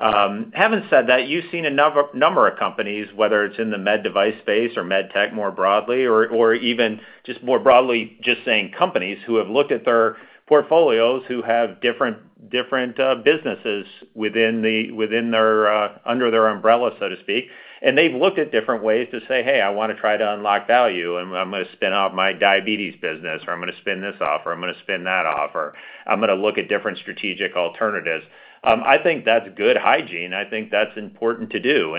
Having said that, you've seen a number of companies, whether it's in the med device space or med tech more broadly, or even just more broadly saying companies who have looked at their portfolios, who have different businesses within their umbrella, so to speak. They've looked at different ways to say, "Hey, I want to try to unlock value. And I'm going to spin off my diabetes business, or I'm going to spin this off, or I'm going to spin that off, or I'm going to look at different strategic alternatives." I think that's good hygiene. I think that's important to do.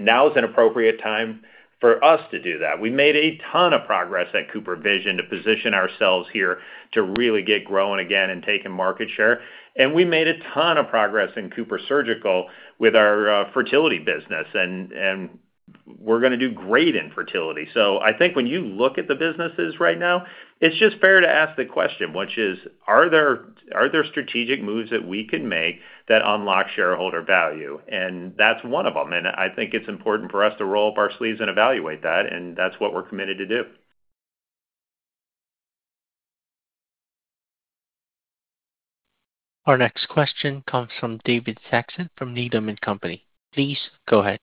Now is an appropriate time for us to do that. We made a ton of progress at CooperVision to position ourselves here to really get growing again and taking market share. And we made a ton of progress in CooperSurgical with our fertility business. And we're going to do great in fertility. So I think when you look at the businesses right now, it's just fair to ask the question, which is, are there strategic moves that we can make that unlock shareholder value? And that's one of them. And I think it's important for us to roll up our sleeves and evaluate that. And that's what we're committed to do. Our next question comes from David Saxon from Needham & Company. Please go ahead.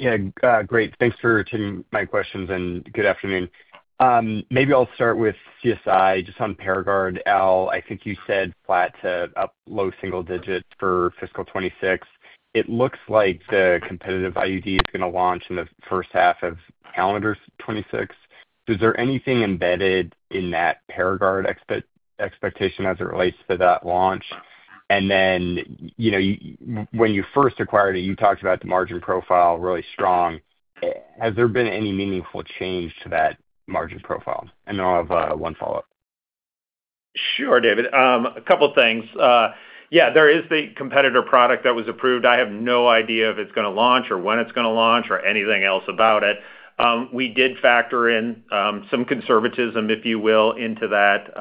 Yeah. Great. Thanks for taking my questions. And good afternoon. Maybe I'll start with CSI, just on Paragard. Al, I think you said flat to up low single digit for fiscal 2026. It looks like the competitive IUD is going to launch in the first half of calendar 2026. Is there anything embedded in that Paragard expectation as it relates to that launch? And then when you first acquired it, you talked about the margin profile really strong. Has there been any meaningful change to that margin profile? And I'll have one follow-up. Sure, David. A couple of things. Yeah. There is the competitor product that was approved. I have no idea if it's going to launch or when it's going to launch or anything else about it. We did factor in some conservatism, if you will, into that,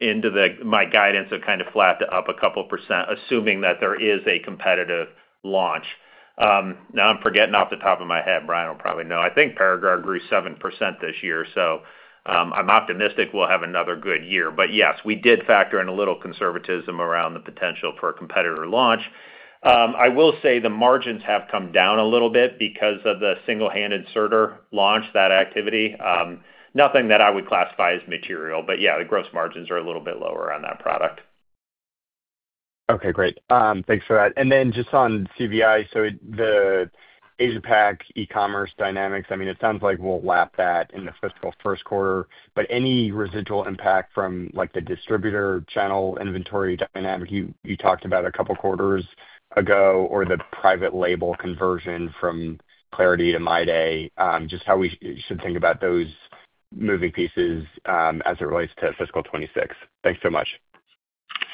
into my guidance of kind of flat to up a couple of percentage, assuming that there is a competitive launch. Now, I'm forgetting off the top of my head. Brian will probably know. I think Paragard grew seven percentage this year. So I'm optimistic we'll have another good year. But yes, we did factor in a little conservatism around the potential for a competitor launch. I will say the margins have come down a little bit because of the single-handed inserter launch, that activity. Nothing that I would classify as material. But yeah, the gross margins are a little bit lower on that product. Okay. Great. Thanks for that. And then just on CBI, so the Asia-Pac e-commerce dynamics, I mean, it sounds like we'll wrap that in the fiscal first quarter. But any residual impact from the distributor channel inventory dynamic you talked about a couple of quarters ago or the private label conversion from clariti to MyDay, just how we should think about those moving pieces as it relates to fiscal 2026. Thanks so much.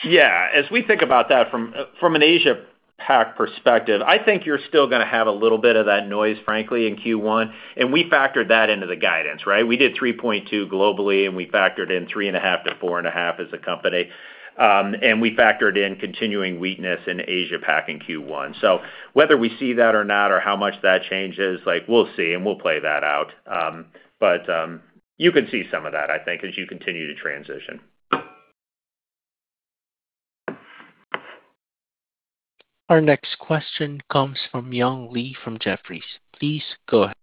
Yeah. As we think about that from an Asia-Pac perspective, I think you're still going to have a little bit of that noise, frankly, in Q1, and we factored that into the guidance, right? We did 3.2 globally, and we factored in 3.5-4.5 as a company, and we factored in continuing weakness in Asia-Pac in Q1, so whether we see that or not, or how much that changes, we'll see, and we'll play that out, but you can see some of that, I think, as you continue to transition. Our next question comes from Young Li from Jefferies. Please go ahead.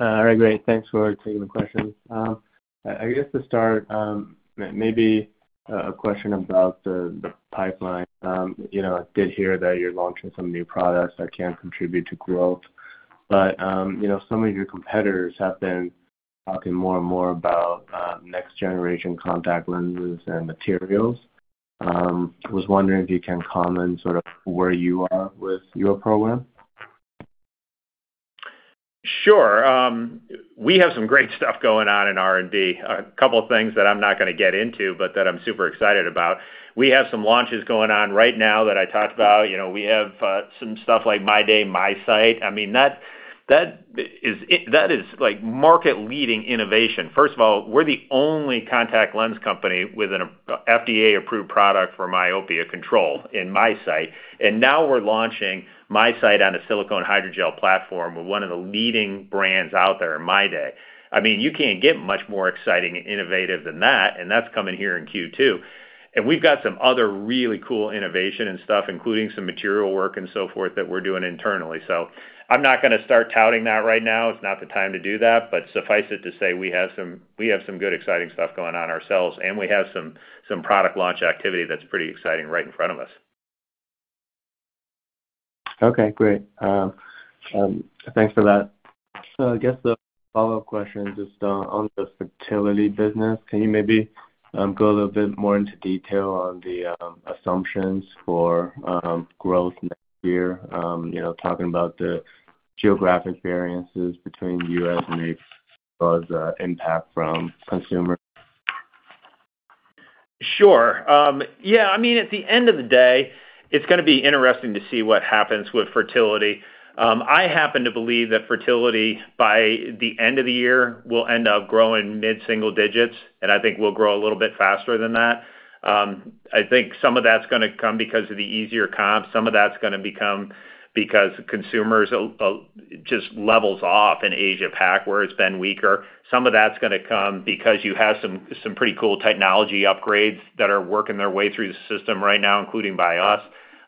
All right. Great. Thanks for taking the question. I guess to start, maybe a question about the pipeline. I did hear that you're launching some new products that can contribute to growth. But some of your competitors have been talking more and more about next-generation contact lenses and materials. I was wondering if you can comment sort of where you are with your program. Sure. We have some great stuff going on in R&D. A couple of things that I'm not going to get into, but that I'm super excited about. We have some launches going on right now that I talked about. We have some stuff like MyDay, MiSight. I mean, that is market-leading innovation. First of all, we're the only contact lens company with an FDA-approved product for myopia control in MiSight. And now we're launching MiSight on a silicone hydrogel platform with one of the leading brands out there in MyDay. I mean, you can't get much more exciting and innovative than that. And that's coming here in Q2. And we've got some other really cool innovation and stuff, including some material work and so forth that we're doing internally. So I'm not going to start touting that right now. It's not the time to do that. But suffice it to say, we have some good exciting stuff going on ourselves. And we have some product launch activity that's pretty exciting right in front of us. Okay. Great. Thanks for that. So I guess the follow-up question just on the fertility business. Can you maybe go a little bit more into detail on the assumptions for growth next year, talking about the geographic variances between the U.S. and Asia, as well as the impact from consumers? Sure. Yeah. I mean, at the end of the day, it's going to be interesting to see what happens with fertility. I happen to believe that fertility by the end of the year will end up growing mid-single digits. And I think we'll grow a little bit faster than that. I think some of that's going to come because of the easier comps. Some of that's going to come because consumption just levels off in Asia-Pac where it's been weaker. Some of that's going to come because you have some pretty cool technology upgrades that are working their way through the system right now, including by us.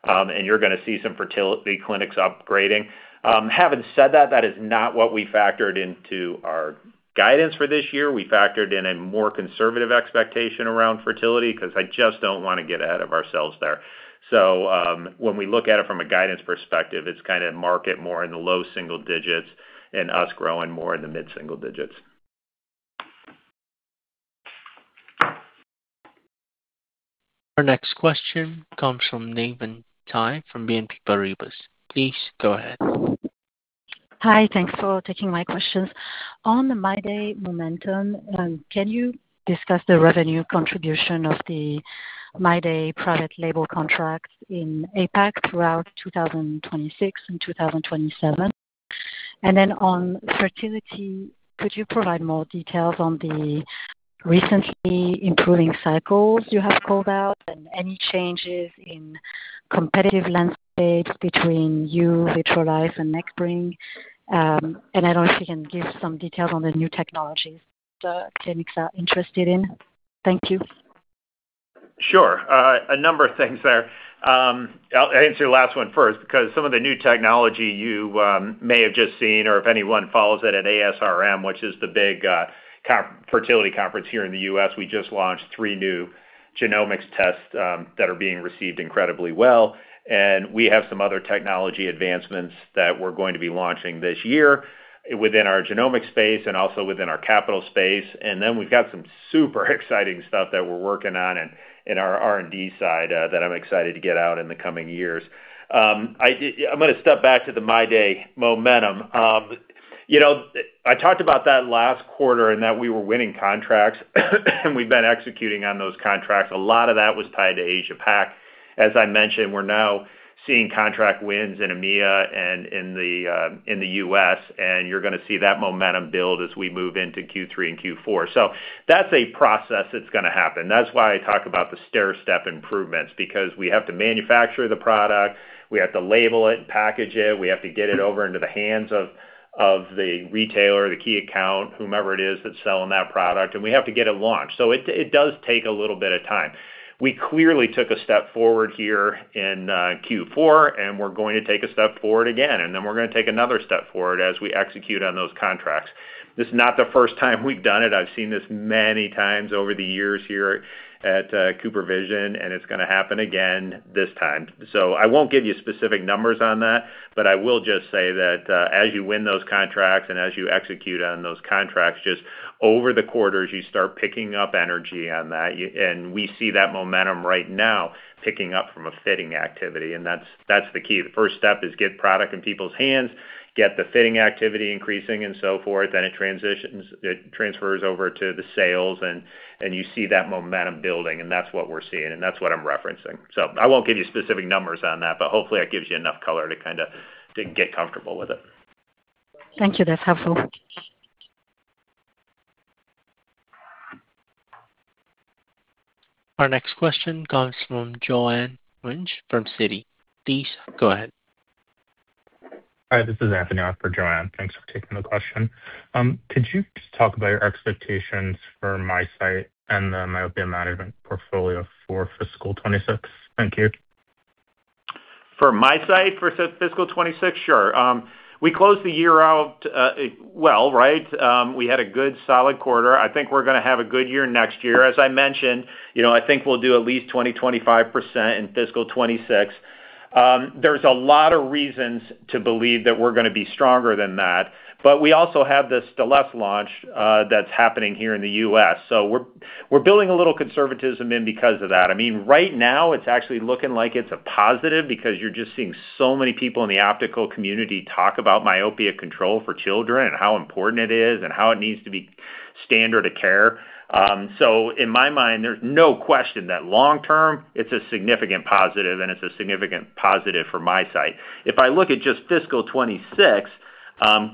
And you're going to see some fertility clinics upgrading. Having said that, that is not what we factored into our guidance for this year. We factored in a more conservative expectation around fertility because I just don't want to get ahead of ourselves there. So when we look at it from a guidance perspective, it's kind of market more in the low single digits and us growing more in the mid-single digits. Our next question comes from Navann Ty from BNP Paribas. Please go ahead. Hi. Thanks for taking my questions. On the MyDay momentum, can you discuss the revenue contribution of the MyDay private label contracts in APAC throughout 2026 and 2027? And then on fertility, could you provide more details on the recently improving cycles you have called out, and any changes in competitive landscape between you, Vitrolife, and Natera? And I don't know if you can give some details on the new technologies that the clinics are interested in. Thank you. Sure. A number of things there. I'll answer the last one first because some of the new technology you may have just seen, or if anyone follows it at ASRM, which is the big fertility conference here in the U.S., we just launched three new genomics tests that are being received incredibly well. And we have some other technology advancements that we're going to be launching this year within our genomic space and also within our capital space. And then we've got some super exciting stuff that we're working on in our R&D side that I'm excited to get out in the coming years. I'm going to step back to the MyDay momentum. I talked about that last quarter and that we were winning contracts. And we've been executing on those contracts. A lot of that was tied to Asia-Pac. As I mentioned, we're now seeing contract wins in EMEA and in the U.S. You're going to see that momentum build as we move into Q3 and Q4. That's a process that's going to happen. That's why I talk about the stair-step improvements because we have to manufacture the product. We have to label it and package it. We have to get it over into the hands of the retailer, the key account, whomever it is that's selling that product. And we have to get it launched. It does take a little bit of time. We clearly took a step forward here in Q4, and we're going to take a step forward again. And then we're going to take another step forward as we execute on those contracts. This is not the first time we've done it. I've seen this many times over the years here at CooperVision, and it's going to happen again this time. So I won't give you specific numbers on that, but I will just say that as you win those contracts and as you execute on those contracts, just over the quarters, you start picking up energy on that. And we see that momentum right now picking up from a fitting activity. And that's the key. The first step is get product in people's hands, get the fitting activity increasing and so forth, then it transfers over to the sales, and you see that momentum building. And that's what we're seeing. And that's what I'm referencing. So I won't give you specific numbers on that, but hopefully, it gives you enough color to kind of get comfortable with it. Thank you. That's helpful. Our next question comes from Joanne Wuensch from Citi. Please go ahead. Hi. This is Anthony for Joanne. Thanks for taking the question. Could you just talk about your expectations for MiSight and the myopia management portfolio for fiscal 2026? Thank you. For MiSight for fiscal 2026, sure. We closed the year out well, right? We had a good solid quarter. I think we're going to have a good year next year. As I mentioned, I think we'll do at least 20%-25% in fiscal 2026. There's a lot of reasons to believe that we're going to be stronger than that. But we also have this Stellest launch that's happening here in the U.S. So we're building a little conservatism in because of that. I mean, right now, it's actually looking like it's a positive because you're just seeing so many people in the optical community talk about myopia control for children and how important it is and how it needs to be standard of care. So in my mind, there's no question that long-term, it's a significant positive, and it's a significant positive for MiSight. If I look at just fiscal 2026,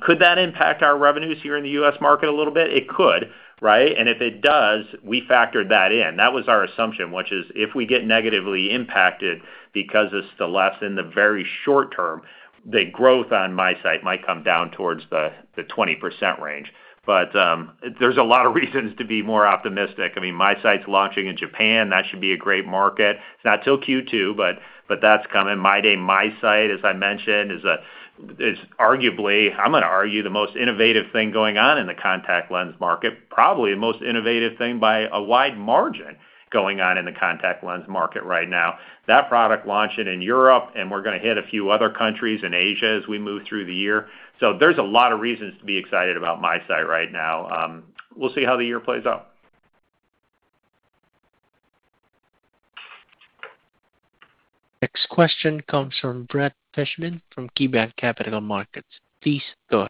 could that impact our revenues here in the U.S. market a little bit? It could, right? And if it does, we factored that in. That was our assumption, which is if we get negatively impacted because of Stellest in the very short term, the growth on MiSight might come down towards the 20% range. But there's a lot of reasons to be more optimistic. I mean, MiSight's launching in Japan. That should be a great market. It's not till Q2, but that's coming. MyDay MiSight, as I mentioned, is arguably, I'm going to argue, the most innovative thing going on in the contact lens market, probably the most innovative thing by a wide margin going on in the contact lens market right now. That product launching in Europe, and we're going to hit a few other countries in Asia as we move through the year. So there's a lot of reasons to be excited about MiSight right now. We'll see how the year plays out. Next question comes from Brett Fishbin from KeyBanc Capital Markets. Please go ahead.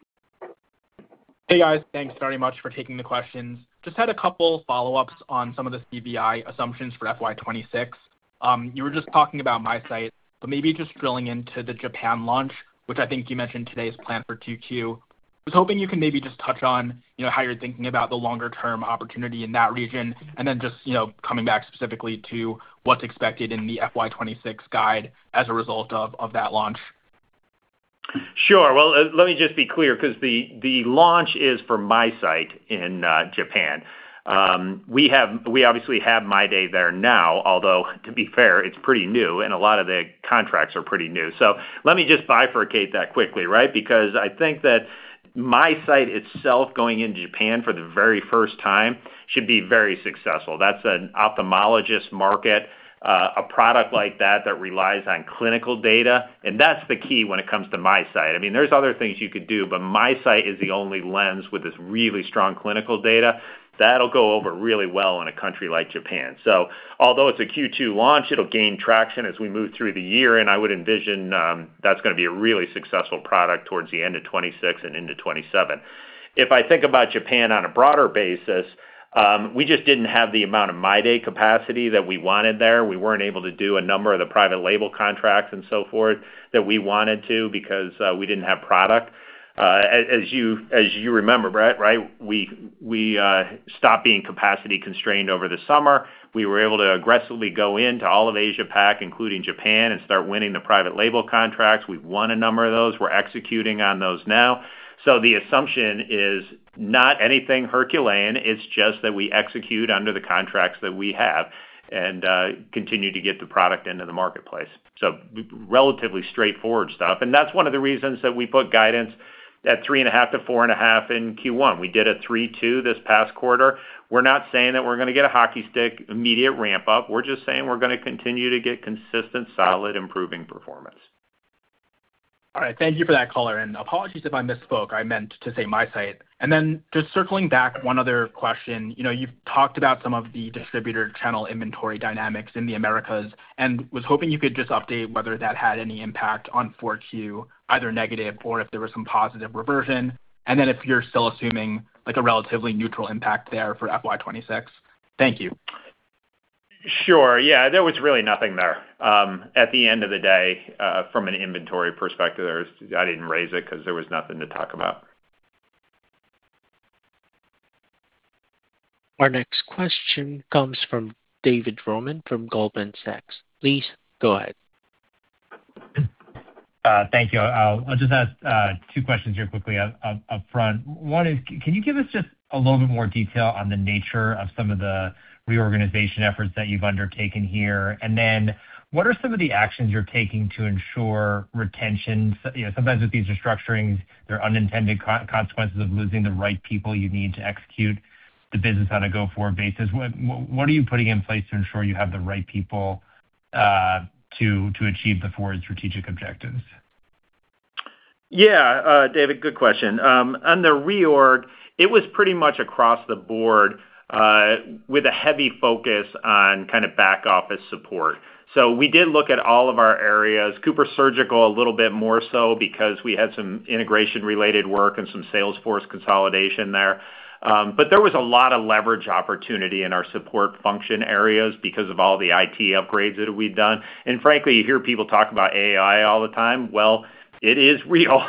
Hey, guys. Thanks very much for taking the questions. Just had a couple of follow-ups on some of the CBI assumptions for FY2026. You were just talking about MiSight, but maybe just drilling into the Japan launch, which I think you mentioned today's plan for Q2. I was hoping you can maybe just touch on how you're thinking about the longer-term opportunity in that region, and then just coming back specifically to what's expected in the FY2026 guide as a result of that launch. Sure. Let me just be clear because the launch is for MiSight in Japan. We obviously have MyDay there now, although, to be fair, it's pretty new, and a lot of the contracts are pretty new. Let me just bifurcate that quickly, right? Because I think that MiSight itself going into Japan for the very first time should be very successful. That's an ophthalmologist market, a product like that that relies on clinical data. That's the key when it comes to MiSight. I mean, there's other things you could do, but MiSight is the only lens with this really strong clinical data that'll go over really well in a country like Japan. Although it's a Q2 launch, it'll gain traction as we move through the year. I would envision that's going to be a really successful product towards the end of 2026 and into 2027. If I think about Japan on a broader basis, we just didn't have the amount of MyDay capacity that we wanted there. We weren't able to do a number of the private label contracts and so forth that we wanted to because we didn't have product. As you remember, Brett, right? We stopped being capacity constrained over the summer. We were able to aggressively go into all of Asia-Pac, including Japan, and start winning the private label contracts. We've won a number of those. We're executing on those now. So the assumption is not anything Herculean. It's just that we execute under the contracts that we have and continue to get the product into the marketplace. So relatively straightforward stuff. That's one of the reasons that we put guidance at 3.5%-4.5% in Q1. We did 3.2% this past quarter. We're not saying that we're going to get a hockey stick immediate ramp-up. We're just saying we're going to continue to get consistent, solid, improving performance. All right. Thank you for that, Colin. Apologies if I misspoke. I meant to say MiSight. And then just circling back, one other question. You've talked about some of the distributor channel inventory dynamics in the Americas and was hoping you could just update whether that had any impact on four Q, either negative or if there was some positive reversion, and then if you're still assuming a relatively neutral impact there for FY26. Thank you. Sure. Yeah. There was really nothing there. At the end of the day, from an inventory perspective, I didn't raise it because there was nothing to talk about. Our next question comes from David Roman from Goldman Sachs. Please go ahead. Thank you. I'll just ask two questions here quickly upfront. One is, can you give us just a little bit more detail on the nature of some of the reorganization efforts that you've undertaken here? And then what are some of the actions you're taking to ensure retention? Sometimes with these restructurings, there are unintended consequences of losing the right people you need to execute the business on a go-forward basis. What are you putting in place to ensure you have the right people to achieve the four strategic objectives? Yeah, David, good question. On the reorg, it was pretty much across the board with a heavy focus on kind of back-office support. So we did look at all of our areas, CooperSurgical a little bit more so because we had some integration-related work and some Salesforce consolidation there. There was a lot of leverage opportunity in our support function areas because of all the IT upgrades that we've done. Frankly, you hear people talk about AI all the time. It is real.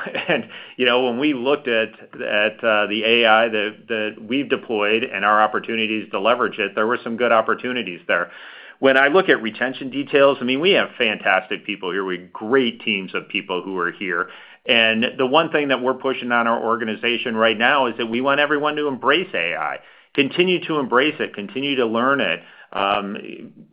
When we looked at the AI that we've deployed and our opportunities to leverage it, there were some good opportunities there. When I look at retention details, I mean, we have fantastic people here. We have great teams of people who are here. The one thing that we're pushing on our organization right now is that we want everyone to embrace AI, continue to embrace it, continue to learn it,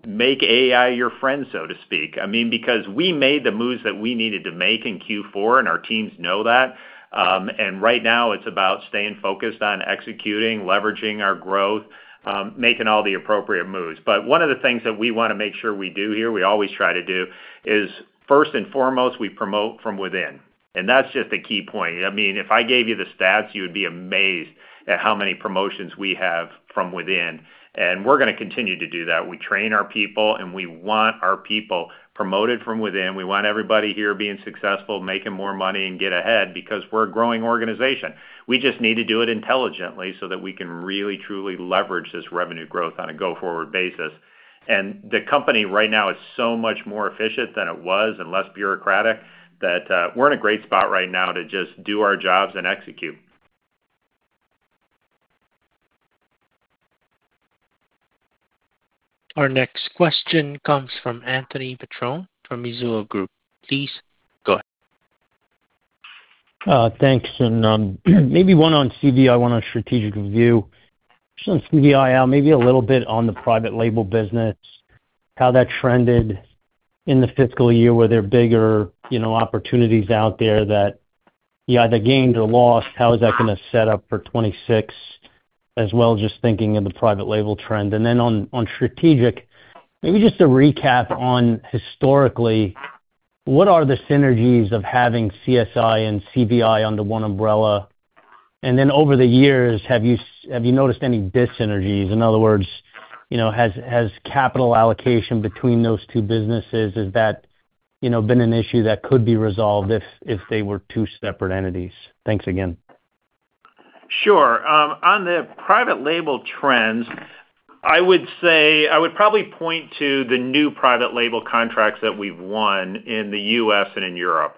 make AI your friend, so to speak. I mean, because we made the moves that we needed to make in Q4, and our teams know that. Right now, it's about staying focused on executing, leveraging our growth, making all the appropriate moves. One of the things that we want to make sure we do here, we always try to do, is first and foremost, we promote from within. That's just a key point. I mean, if I gave you the stats, you would be amazed at how many promotions we have from within. We're going to continue to do that. We train our people, and we want our people promoted from within. We want everybody here being successful, making more money, and get ahead because we're a growing organization. We just need to do it intelligently so that we can really, truly leverage this revenue growth on a go-forward basis. The company right now is so much more efficient than it was and less bureaucratic that we're in a great spot right now to just do our jobs and execute. Our next question comes from Anthony Petrone from Mizuho Group. Please go ahead. Thanks. And maybe one on CVI, one on strategic review. Just on CVI, maybe a little bit on the private label business, how that trended in the fiscal year where there are bigger opportunities out there that you either gained or lost. How is that going to set up for 2026, as well as just thinking of the private label trend? And then on strategic, maybe just a recap on historically, what are the synergies of having CSI and CVI under one umbrella? And then over the years, have you noticed any dissynergies? In other words, has capital allocation between those two businesses, has that been an issue that could be resolved if they were two separate entities? Thanks again. Sure. On the private label trends, I would say I would probably point to the new private label contracts that we've won in the U.S. and in Europe.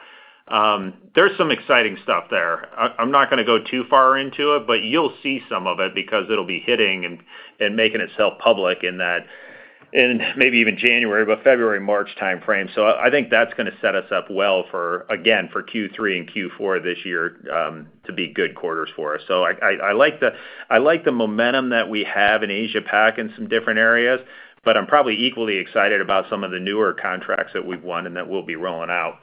There's some exciting stuff there. I'm not going to go too far into it, but you'll see some of it because it'll be hitting and making itself public in that, and maybe even January, but February, March timeframe. So I think that's going to set us up well, again, for Q3 and Q4 this year to be good quarters for us. So I like the momentum that we have in Asia-Pac in some different areas, but I'm probably equally excited about some of the newer contracts that we've won and that we'll be rolling out.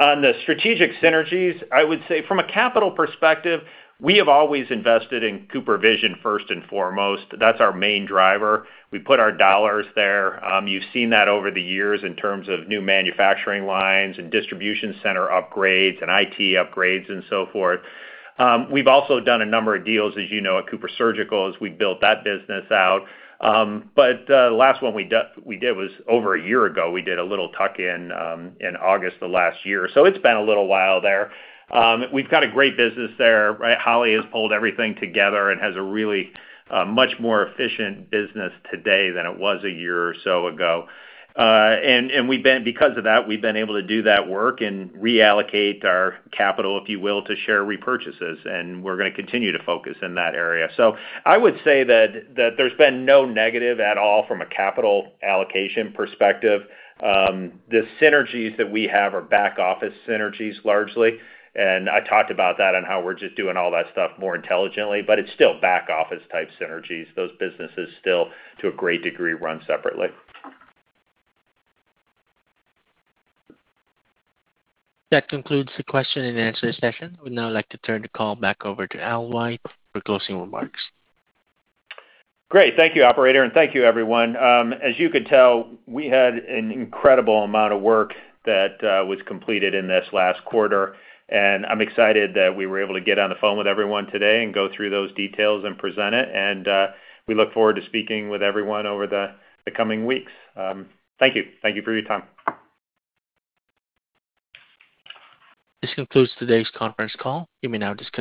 On the strategic synergies, I would say from a capital perspective, we have always invested in CooperVision first and foremost. That's our main driver. We put our dollars there. You've seen that over the years in terms of new manufacturing lines and distribution center upgrades and IT upgrades and so forth. We've also done a number of deals, as you know, at CooperSurgical as we built that business out. But the last one we did was over a year ago. We did a little tuck-in in August of last year. So it's been a little while there. We've got a great business there. Holly has pulled everything together and has a really much more efficient business today than it was a year or so ago. And because of that, we've been able to do that work and reallocate our capital, if you will, to share repurchases. We're going to continue to focus in that area. So I would say that there's been no negative at all from a capital allocation perspective. The synergies that we have are back-office synergies largely. I talked about that and how we're just doing all that stuff more intelligently, but it's still back-office-type synergies. Those businesses still, to a great degree, run separately. That concludes the question-and-answer session. We'd now like to turn the call back over to Al White for closing remarks. Great. Thank you, operator. Thank you, everyone. As you could tell, we had an incredible amount of work that was completed in this last quarter. I'm excited that we were able to get on the phone with everyone today and go through those details and present it. We look forward to speaking with everyone over the coming weeks. Thank you. Thank you for your time. This concludes today's conference call. You may now just.